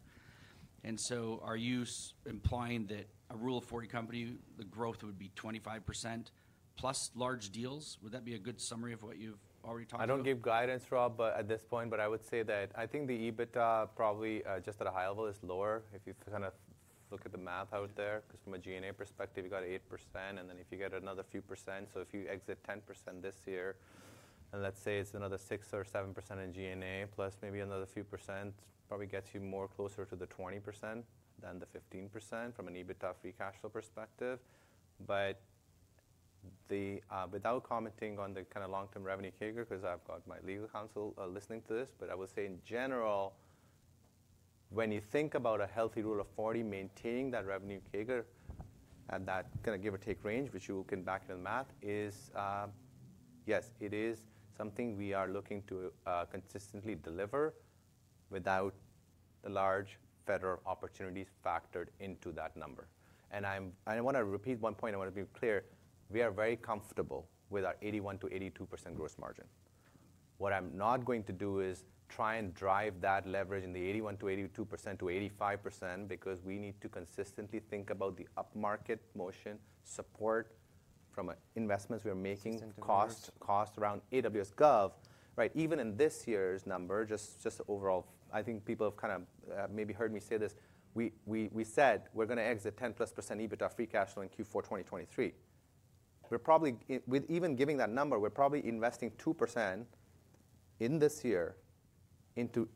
And so are you implying that a Rule of 40 company, the growth would be 25% plus large deals? Would that be a good summary of what you've already talked about? I don't give guidance, Rob, but at this point, but I would say that I think the EBITDA, probably, just at a high level, is lower. If you kind of look at the math out there, because from a G&A perspective, you got 8%, and then if you get another few percent, so if you exit 10% this year, and let's say it's another 6% or 7% in G&A, plus maybe another few percent, probably gets you more closer to the 20% than the 15% from an EBITDA free cash flow perspective. But the, without commenting on the kind of long-term revenue CAGR, because I've got my legal counsel listening to this, but I would say in general, when you think about a healthy Rule of 40, maintaining that revenue CAGR, and that kind of give or take range, which you can back the math, is, yes, it is something we are looking to, consistently deliver without the large federal opportunities factored into that number. And I'm-- and I wanna repeat one point, I wanna be clear: we are very comfortable with our 81%-82% gross margin. What I'm not going to do is try and drive that leverage in the 81%-82%-85%, because we need to consistently think about the upmarket motion support from, investments we are making cost, cost around AWS Gov. Right, even in this year's number, just, just overall, I think people have kind of, maybe heard me say this, we, we said we're gonna exit 10%+ EBITDA free cash flow in Q4 2023. We're probably, with even giving that number, we're probably investing 2% in this year into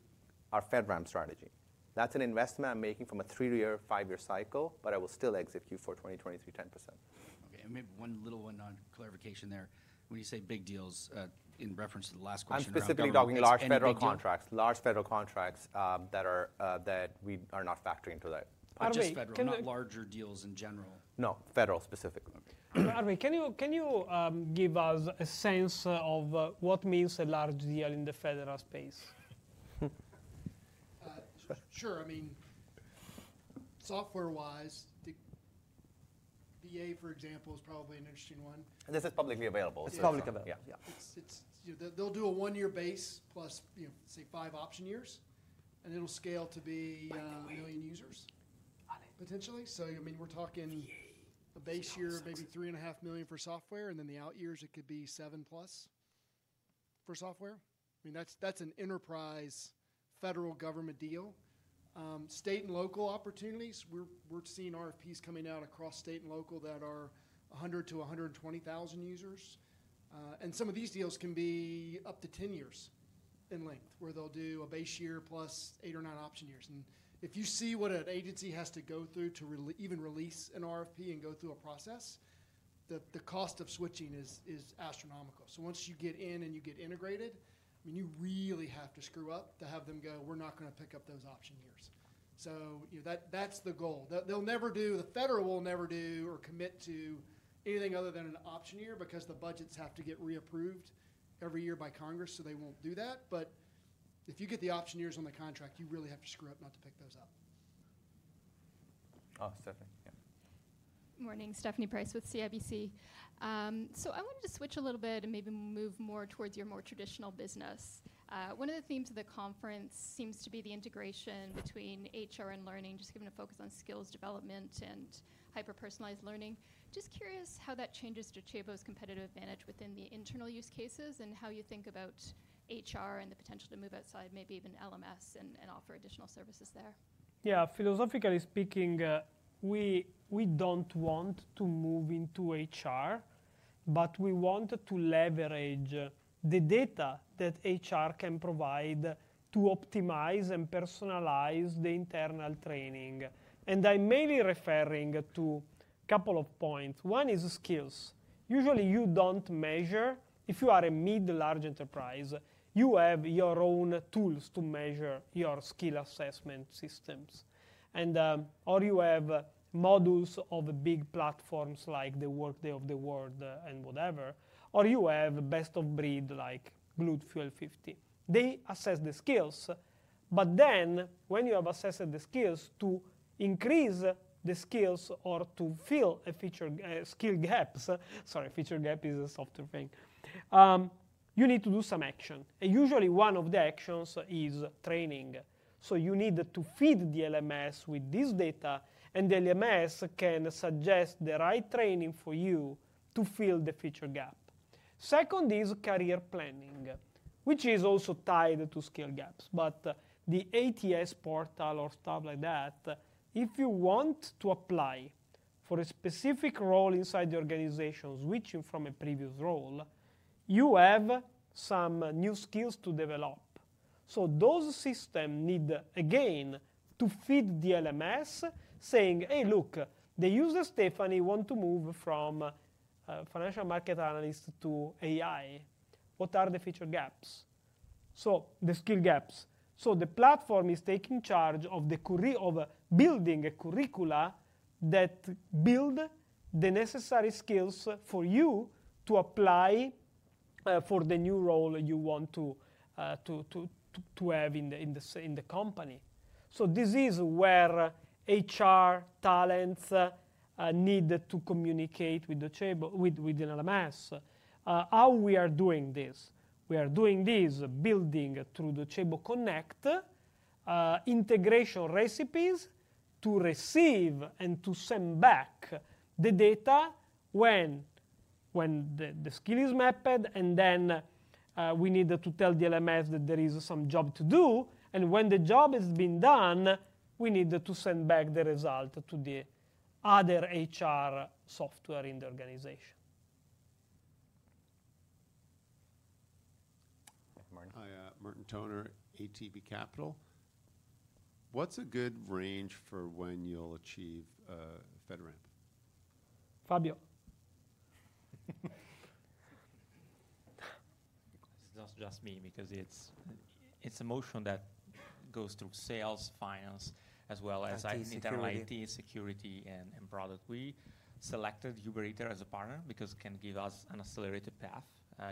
our FedRAMP strategy. That's an investment I'm making from a 3-year, 5-year cycle, but I will still exit Q4 2023 10%. Okay, and maybe one little one on clarification there. When you say big deals, in reference to the last question around government- I'm specifically talking large federal contracts. And big deals. Large federal contracts that we are not factoring into that. Harvey, can you- Just federal, not larger deals in general? No, Federal specifically. Harvey, can you give us a sense of what means a large deal in the federal space? Sure. I mean, software-wise, the VA, for example, is probably an interesting one. This is publicly available. It's publicly available. Yeah. Yeah. It's... They'll do a one-year base plus, you know, say, five option years, and it'll scale to be... a million users, potentially. So I mean, we're talking... a base year, maybe $3.5 million for software, and then the out years, it could be $7+ for software. I mean, that's, that's an enterprise federal government deal. State and local opportunities, we're seeing RFPs coming out across state and local that are 100-120,000 users. And some of these deals can be up to 10 years in length, where they'll do a base year plus eight or nine option years. And if you see what an agency has to go through to even release an RFP and go through a process, the cost of switching is astronomical. So once you get in and you get integrated, I mean, you really have to screw up to have them go, "We're not gonna pick up those option years." So, you know, that, that's the goal. They, they'll never do—the federal will never do or commit to anything other than an option year because the budgets have to get reapproved every year by Congress, so they won't do that. But if you get the option years on the contract, you really have to screw up not to pick those up. Oh, Stephanie. Yeah. Good morning. Stephanie Price with CIBC. So I wanted to switch a little bit and maybe move more towards your more traditional business. One of the themes of the conference seems to be the integration between HR and learning, just given a focus on skills development and hyper-personalized learning. Just curious how that changes Docebo's competitive advantage within the internal use cases, and how you think about HR and the potential to move outside, maybe even LMS, and, and offer additional services there. Yeah. Philosophically speaking, we don't want to move into HR, but we want to leverage the data that HR can provide to optimize and personalize the internal training. And I'm mainly referring to a couple of points. One is skills. Usually, you don't measure... If you are a mid-large enterprise, you have your own tools to measure your skill assessment systems. And or you have modules of big platforms like the Workday of the world and whatever, or you have best of breed like Gloat Fuel50. They assess the skills, but then when you have assessed the skills, to increase the skills or to fill a feature, skill gaps, sorry, feature gap is a software thing, you need to do some action, and usually one of the actions is training. So you need to feed the LMS with this data, and the LMS can suggest the right training for you to fill the feature gap. Second is career planning, which is also tied to skill gaps, but the ATS portal or stuff like that, if you want to apply for a specific role inside the organization, switching from a previous role, you have some new skills to develop. So those system need, again, to feed the LMS, saying, "Hey, look, the user, Stephanie, want to move from, financial market analyst to AI. What are the feature gaps?" So the skill gaps. So the platform is taking charge of the curri-- of building a curricula that build the necessary skills for you to apply, for the new role you want to, to have in the, in the s- in the company. So this is where HR, talents, need to communicate with the Docebo with the LMS. How we are doing this? We are doing this, building through the Docebo Connect, integration recipes to receive and to send back the data when the skill is mapped, and then, we need to tell the LMS that there is some job to do, and when the job has been done, we need to send back the result to the other HR software in the organization. Martin? Hi, Martin Toner, ATB Capital. What's a good range for when you'll achieve, FedRAMP? Fabio? ... just me, because it's a motion that goes through sales, finance, as well as- IT, security... internal IT, security, and, and product. We selected UberEther as a partner because it can give us an accelerated path,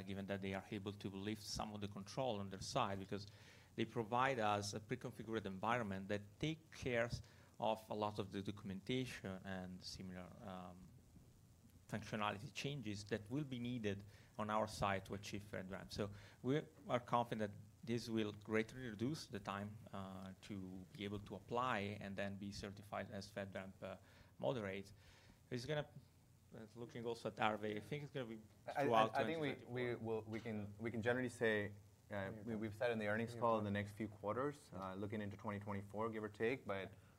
given that they are able to lift some of the control on their side, because they provide us a pre-configured environment that takes care of a lot of the documentation and similar, functionality changes that will be needed on our side to achieve FedRAMP. We are confident this will greatly reduce the time to be able to apply and then be certified as FedRAMP moderate. It's gonna—looking also at Harvey, I think it's gonna be throughout 2024. I think we will. We can generally say we've said in the earnings call in the next few quarters, looking into 2024, give or take.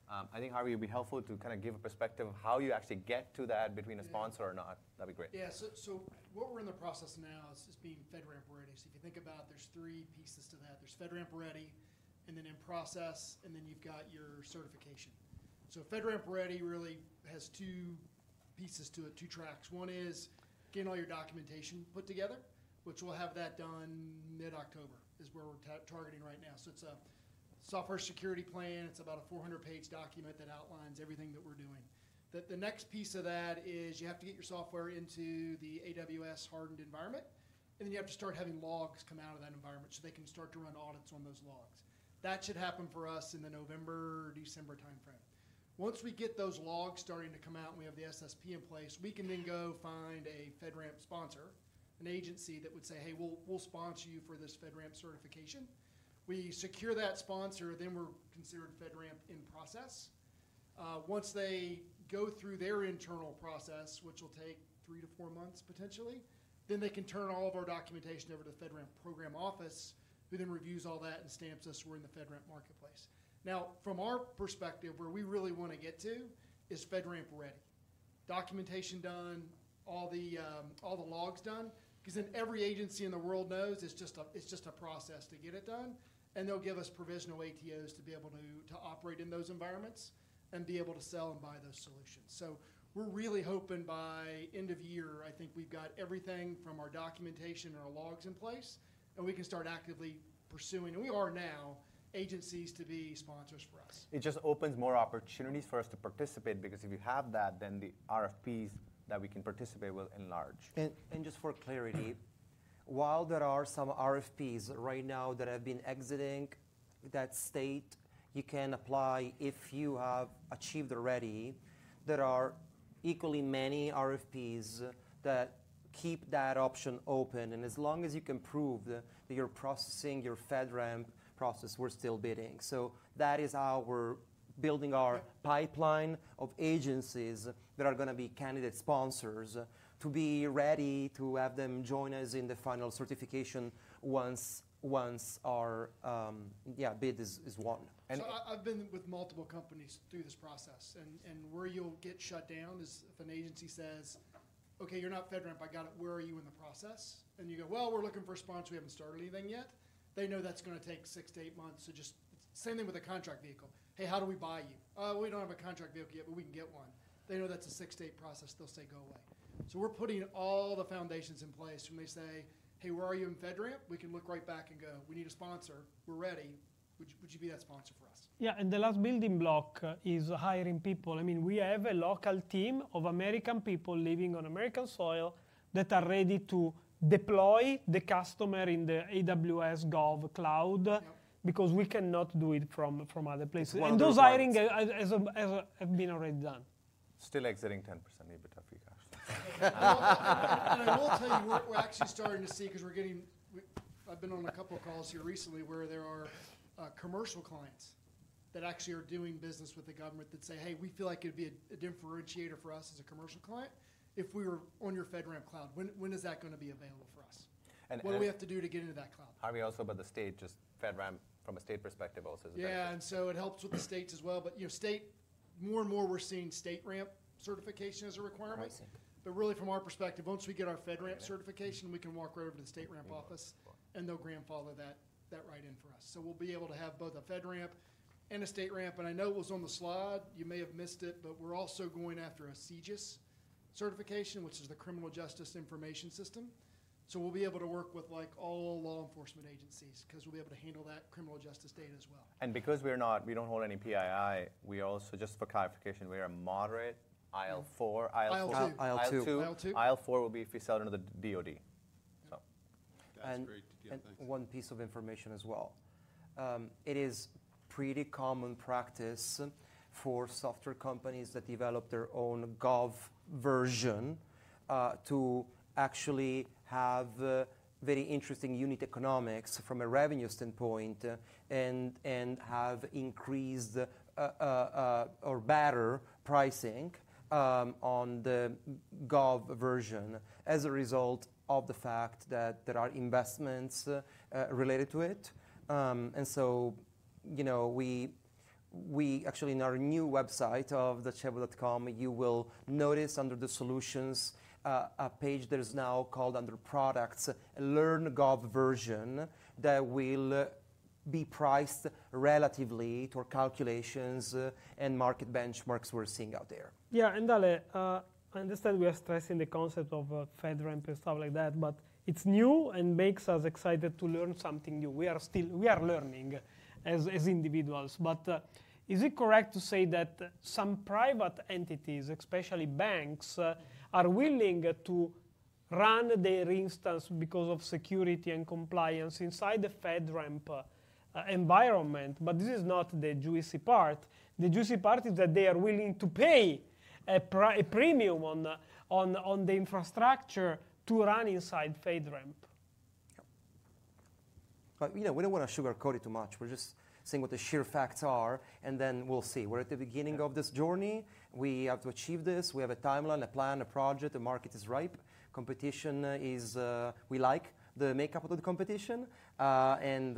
But I think Harvey, it'd be helpful to kinda give a perspective of how you actually get to that between a sponsor or not. That'd be great. Yeah. What we're in the process now is just being FedRAMP Ready. If you think about it, there's three pieces to that. There's FedRAMP Ready, and then in process, and then you've got your certification. FedRAMP Ready really has two pieces to it, two tracks. One is getting all your documentation put together, which we'll have that done mid-October, is where we're targeting right now. It's a software security plan. It's about a 400-page document that outlines everything that we're doing. The next piece of that is you have to get your software into the AWS hardened environment, and then you have to start having logs come out of that environment so they can start to run audits on those logs. That should happen for us in the November, December timeframe. Once we get those logs starting to come out and we have the SSP in place, we can then go find a FedRAMP sponsor, an agency that would say, "Hey, we'll, we'll sponsor you for this FedRAMP certification." We secure that sponsor, then we're considered FedRAMP in process. Once they go through their internal process, which will take 3-4 months, potentially, then they can turn all of our documentation over to FedRAMP Program Office, who then reviews all that and stamps us. We're in the FedRAMP marketplace. Now, from our perspective, where we really wanna get to is FedRAMP Ready. Documentation done, all the, all the logs done, 'cause then every agency in the world knows it's just a, it's just a process to get it done, and they'll give us provisional ATOs to be able to, to operate in those environments and be able to sell and buy those solutions. We're really hoping by end of year, I think we've got everything from our documentation and our logs in place, and we can start actively pursuing, and we are now, agencies to be sponsors for us. It just opens more opportunities for us to participate, because if you have that, then the RFPs that we can participate will enlarge. And just for clarity, while there are some RFPs right now that have been exiting that state, you can apply if you have achieved already. There are equally many RFPs that keep that option open, and as long as you can prove that you're processing your FedRAMP process, we're still bidding. So that is how we're building our pipeline of agencies that are gonna be candidate sponsors, to be ready to have them join us in the final certification once our bid is won. And- I've been with multiple companies through this process, and where you'll get shut down is if an agency says: "Okay, you're not FedRAMP. I got it. Where are you in the process?" And you go: "Well, we're looking for a sponsor. We haven't started anything yet." They know that's gonna take 6-8 months, so just... Same thing with a contract vehicle. "Hey, how do we buy you?" "We don't have a contract vehicle yet, but we can get one." They know that's a 6-8 process. They'll say: "Go away." We're putting all the foundations in place. When they say: "Hey, where are you in FedRAMP?" We can look right back and go, "We need a sponsor. We're ready. Would you, would you be that sponsor for us? Yeah, and the last building block is hiring people. I mean, we have a local team of American people living on American soil that are ready to deploy the customer in the AWS GovCloud- Yep... because we cannot do it from other places. Well, the- Those hiring have been already done. Still exiting 10% EBITDA forecast. Well, and I will tell you, we're actually starting to see, 'cause we're getting... I've been on a couple of calls here recently, where there are commercial clients that actually are doing business with the government that say, "Hey, we feel like it'd be a differentiator for us as a commercial client if we were on your FedRAMP cloud. When is that gonna be available for us? And, and- What do we have to do to get into that cloud? Harvey, also about the state, just FedRAMP from a state perspective also as well. Yeah, and so it helps with the states as well. But, you know, state, more and more, we're seeing StateRAMP certification as a requirement. I see. But really, from our perspective, once we get our FedRAMP certification- Yeah... we can walk right over to the StateRAMP office, and they'll grandfather that right in for us. So we'll be able to have both a FedRAMP and a StateRAMP. And I know it was on the slide, you may have missed it, but we're also going after a CJIS certification, which is the Criminal Justice Information Services. So we'll be able to work with, like, all law enforcement agencies, 'cause we'll be able to handle that criminal justice data as well. Because we are not, we don't hold any PII, we also, just for clarification, we are a moderate IL4, IL2- IL2. IL2. IL2. IL4 will be if we sell to the DoD. So... And- That's great to give. Thanks.... and one piece of information as well. It is pretty common practice for software companies that develop their own Gov version, to actually have, very interesting unit economics from a revenue standpoint, and, and have increased, or better pricing, on the Gov version as a result of the fact that there are investments, related to it. And so, you know, we, we actually, in our new website of docebo.com, you will notice under the Solutions, a page that is now called Under Products, Learn Gov version, that will, be priced relatively to our calculations, and market benchmarks we're seeing out there. Yeah, and Ale, I understand we are stressing the concept of FedRAMP and stuff like that, but it's new and makes us excited to learn something new. We are still learning as individuals. But, is it correct to say that some private entities, especially banks, are willing to run their instance because of security and compliance inside the FedRAMP environment? But this is not the juicy part. The juicy part is that they are willing to pay a premium on the infrastructure to run inside FedRAMP. But, you know, we don't wanna sugarcoat it too much. We're just saying what the sheer facts are, and then we'll see. We're at the beginning of this journey. We have to achieve this. We have a timeline, a plan, a project. The market is ripe. Competition is... We like the makeup of the competition, and,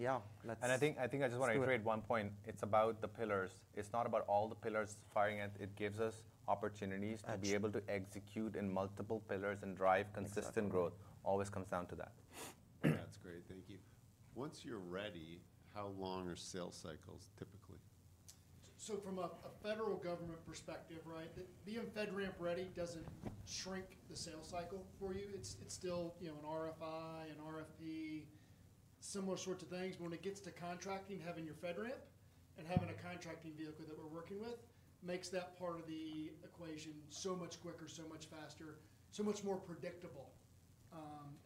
yeah, let's- I think I just wanna- Let's do it.... reiterate one point: It's about the pillars. It's not about all the pillars firing it. It gives us opportunities- Absolutely... to be able to execute in multiple pillars and drive consistent growth. Exactly. Always comes down to that. That's great, thank you. Once you're ready, how long are sales cycles, typically? From a federal government perspective, right, being FedRAMP ready doesn't shrink the sales cycle for you. It's still, you know, an RFI, an RFP, similar sorts of things. When it gets to contracting, having your FedRAMP and having a contracting vehicle that we're working with makes that part of the equation so much quicker, so much faster, so much more predictable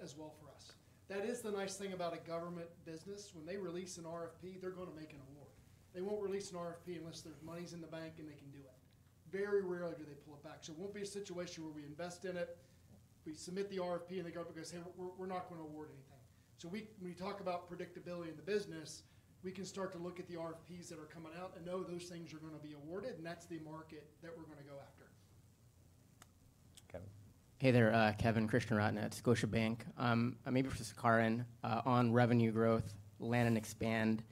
as well for us. That is the nice thing about a government business. When they release an RFP, they're gonna make an award. They won't release an RFP unless there's moneys in the bank and they can do it. Very rarely do they pull it back. So it won't be a situation where we invest in it, we submit the RFP, and the government goes, "Hey, we're, we're not gonna award anything." So we, when we talk about predictability in the business, we can start to look at the RFPs that are coming out and know those things are gonna be awarded, and that's the market that we're gonna go after. Kevin? Hey there, Kevin Krishnaratne at Scotiabank. Maybe for Sukaran, on revenue growth, land and expand,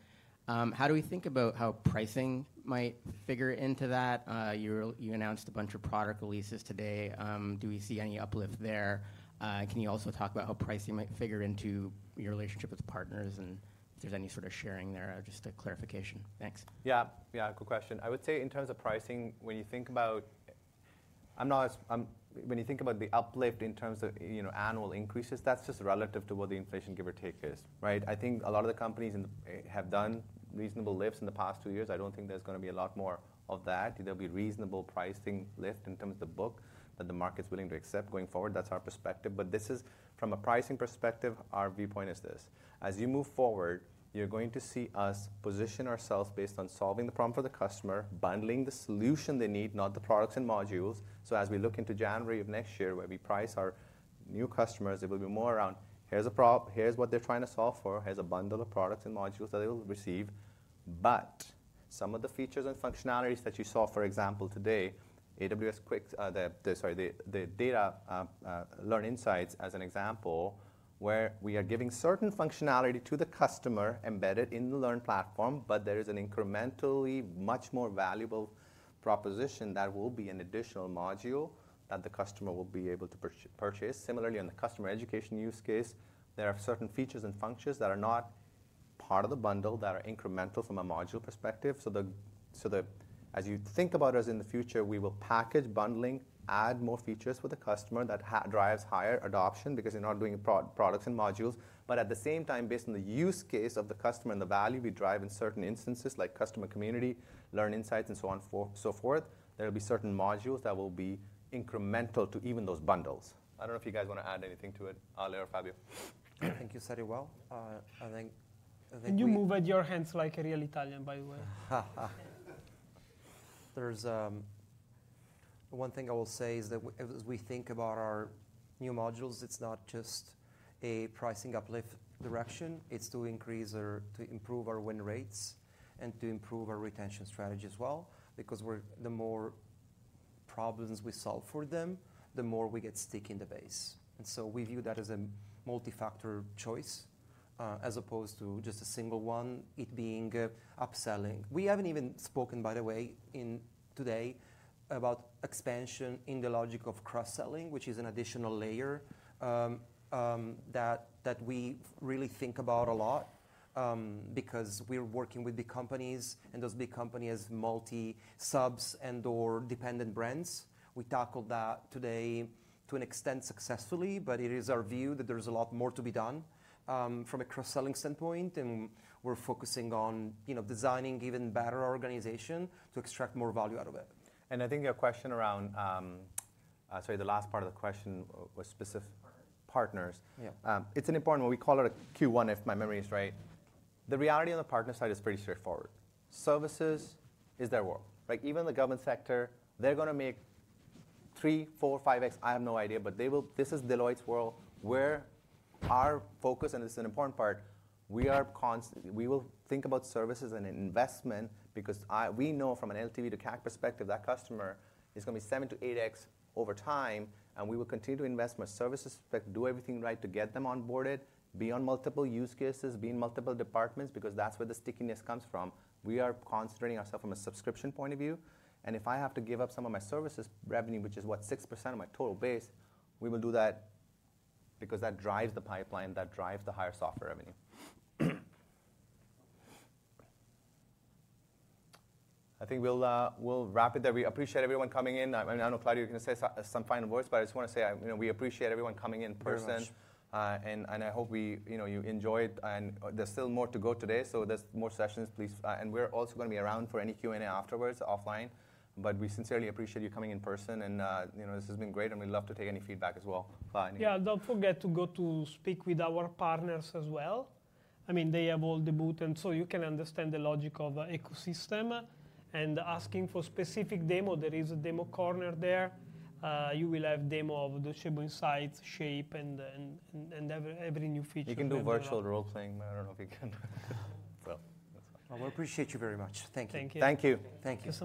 how do we think about how pricing might figure into that? You announced a bunch of product releases today. Do we see any uplift there? Can you also talk about how pricing might figure into your relationship with partners, and if there's any sort of sharing there? Just a clarification. Thanks. Yeah. Yeah, good question. I would say, in terms of pricing, when you think about... I'm not as, when you think about the uplift in terms of, you know, annual increases, that's just relative to what the inflation, give or take, is, right? I think a lot of the companies in, you know, have done reasonable lifts in the past two years. I don't think there's gonna be a lot more of that. There'll be reasonable pricing lift in terms of book that the market's willing to accept going forward. That's our perspective. This is, from a pricing perspective, our viewpoint is this: as you move forward, you're going to see us position ourselves based on solving the problem for the customer, bundling the solution they need, not the products and modules. As we look into January of next year, where we price our new customers, it will be more around: "Here's a prob-- Here's what they're trying to solve for. Here's a bundle of products and modules that they will receive." Some of the features and functionalities that you saw, for example, today, AWS Quick, the, the, sorry, the, the data, Learn Insights as an example, where we are giving certain functionality to the customer embedded in the Learn platform, but there is an incrementally much more valuable proposition that will be an additional module that the customer will be able to purchase. Similarly, on the customer education use case, there are certain features and functions that are not part of the bundle that are incremental from a module perspective. As you think about us in the future, we will package bundling, add more features for the customer that drives higher adoption because you're not doing products and modules. At the same time, based on the use case of the customer and the value we drive in certain instances, like customer community, learn insights, and so on, so forth, there will be certain modules that will be incremental to even those bundles. I don't know if you guys wanna add anything to it, Ale or Fabio. I think you said it well. I think we— You move at your hands like a real Italian, by the way. There's one thing I will say is that as we think about our new modules, it's not just a pricing uplift direction, it's to increase or to improve our win rates and to improve our retention strategy as well, because the more problems we solve for them, the more we get stick in the base. We view that as a multi-factor choice, as opposed to just a single one, it being upselling. We haven't even spoken, by the way, today, about expansion in the logic of cross-selling, which is an additional layer that we really think about a lot, because we're working with the companies, and those big companies have multi subs and/or dependent brands. We tackled that today to an extent, successfully, but it is our view that there is a lot more to be done, from a cross-selling standpoint, and we're focusing on, you know, designing even better organization to extract more value out of it. I think your question around the last part of the question was specific- Partners.... partners. Yeah. It's an important one. We call it a Q1, if my memory is right. The reality on the partner side is pretty straightforward. Services is their world. Like, even the government sector, they're gonna make 3, 4, 5x, I have no idea, but they will... This is Deloitte's world, where our focus, and this is an important part, we will think about services and investment because I, we know from an LTV to CAC perspective, that customer is gonna be 7x-8x over time, and we will continue to invest more services, spec, do everything right to get them onboarded, be on multiple use cases, be in multiple departments, because that's where the stickiness comes from. We are concentrating ourself from a subscription point of view, and if I have to give up some of my services revenue, which is, what, 6% of my total base, we will do that because that drives the pipeline, that drives the higher software revenue. I think we'll wrap it there. We appreciate everyone coming in. I know, Fabio, you're gonna say some final words, but I just wanna say, you know, we appreciate everyone coming in person. Very much. I hope we, you know, you enjoyed, and there's still more to go today, so there's more sessions, please-- and we're also gonna be around for any Q&A afterwards, offline. We sincerely appreciate you coming in person, and, you know, this has been great, and we'd love to take any feedback as well. Bye. Yeah, don't forget to go to speak with our partners as well. I mean, they have all the booth, and so you can understand the logic of ecosystem. I mean, asking for specific demo, there is a demo corner there. You will have demo of Docebo Insights, Shape, and, and, and, and every, every new feature- You can do virtual role playing, but I don't know if you can... Well, that's alright. Well, we appreciate you very much. Thank you. Thank you. Thank you. Thank you. Thanks so much.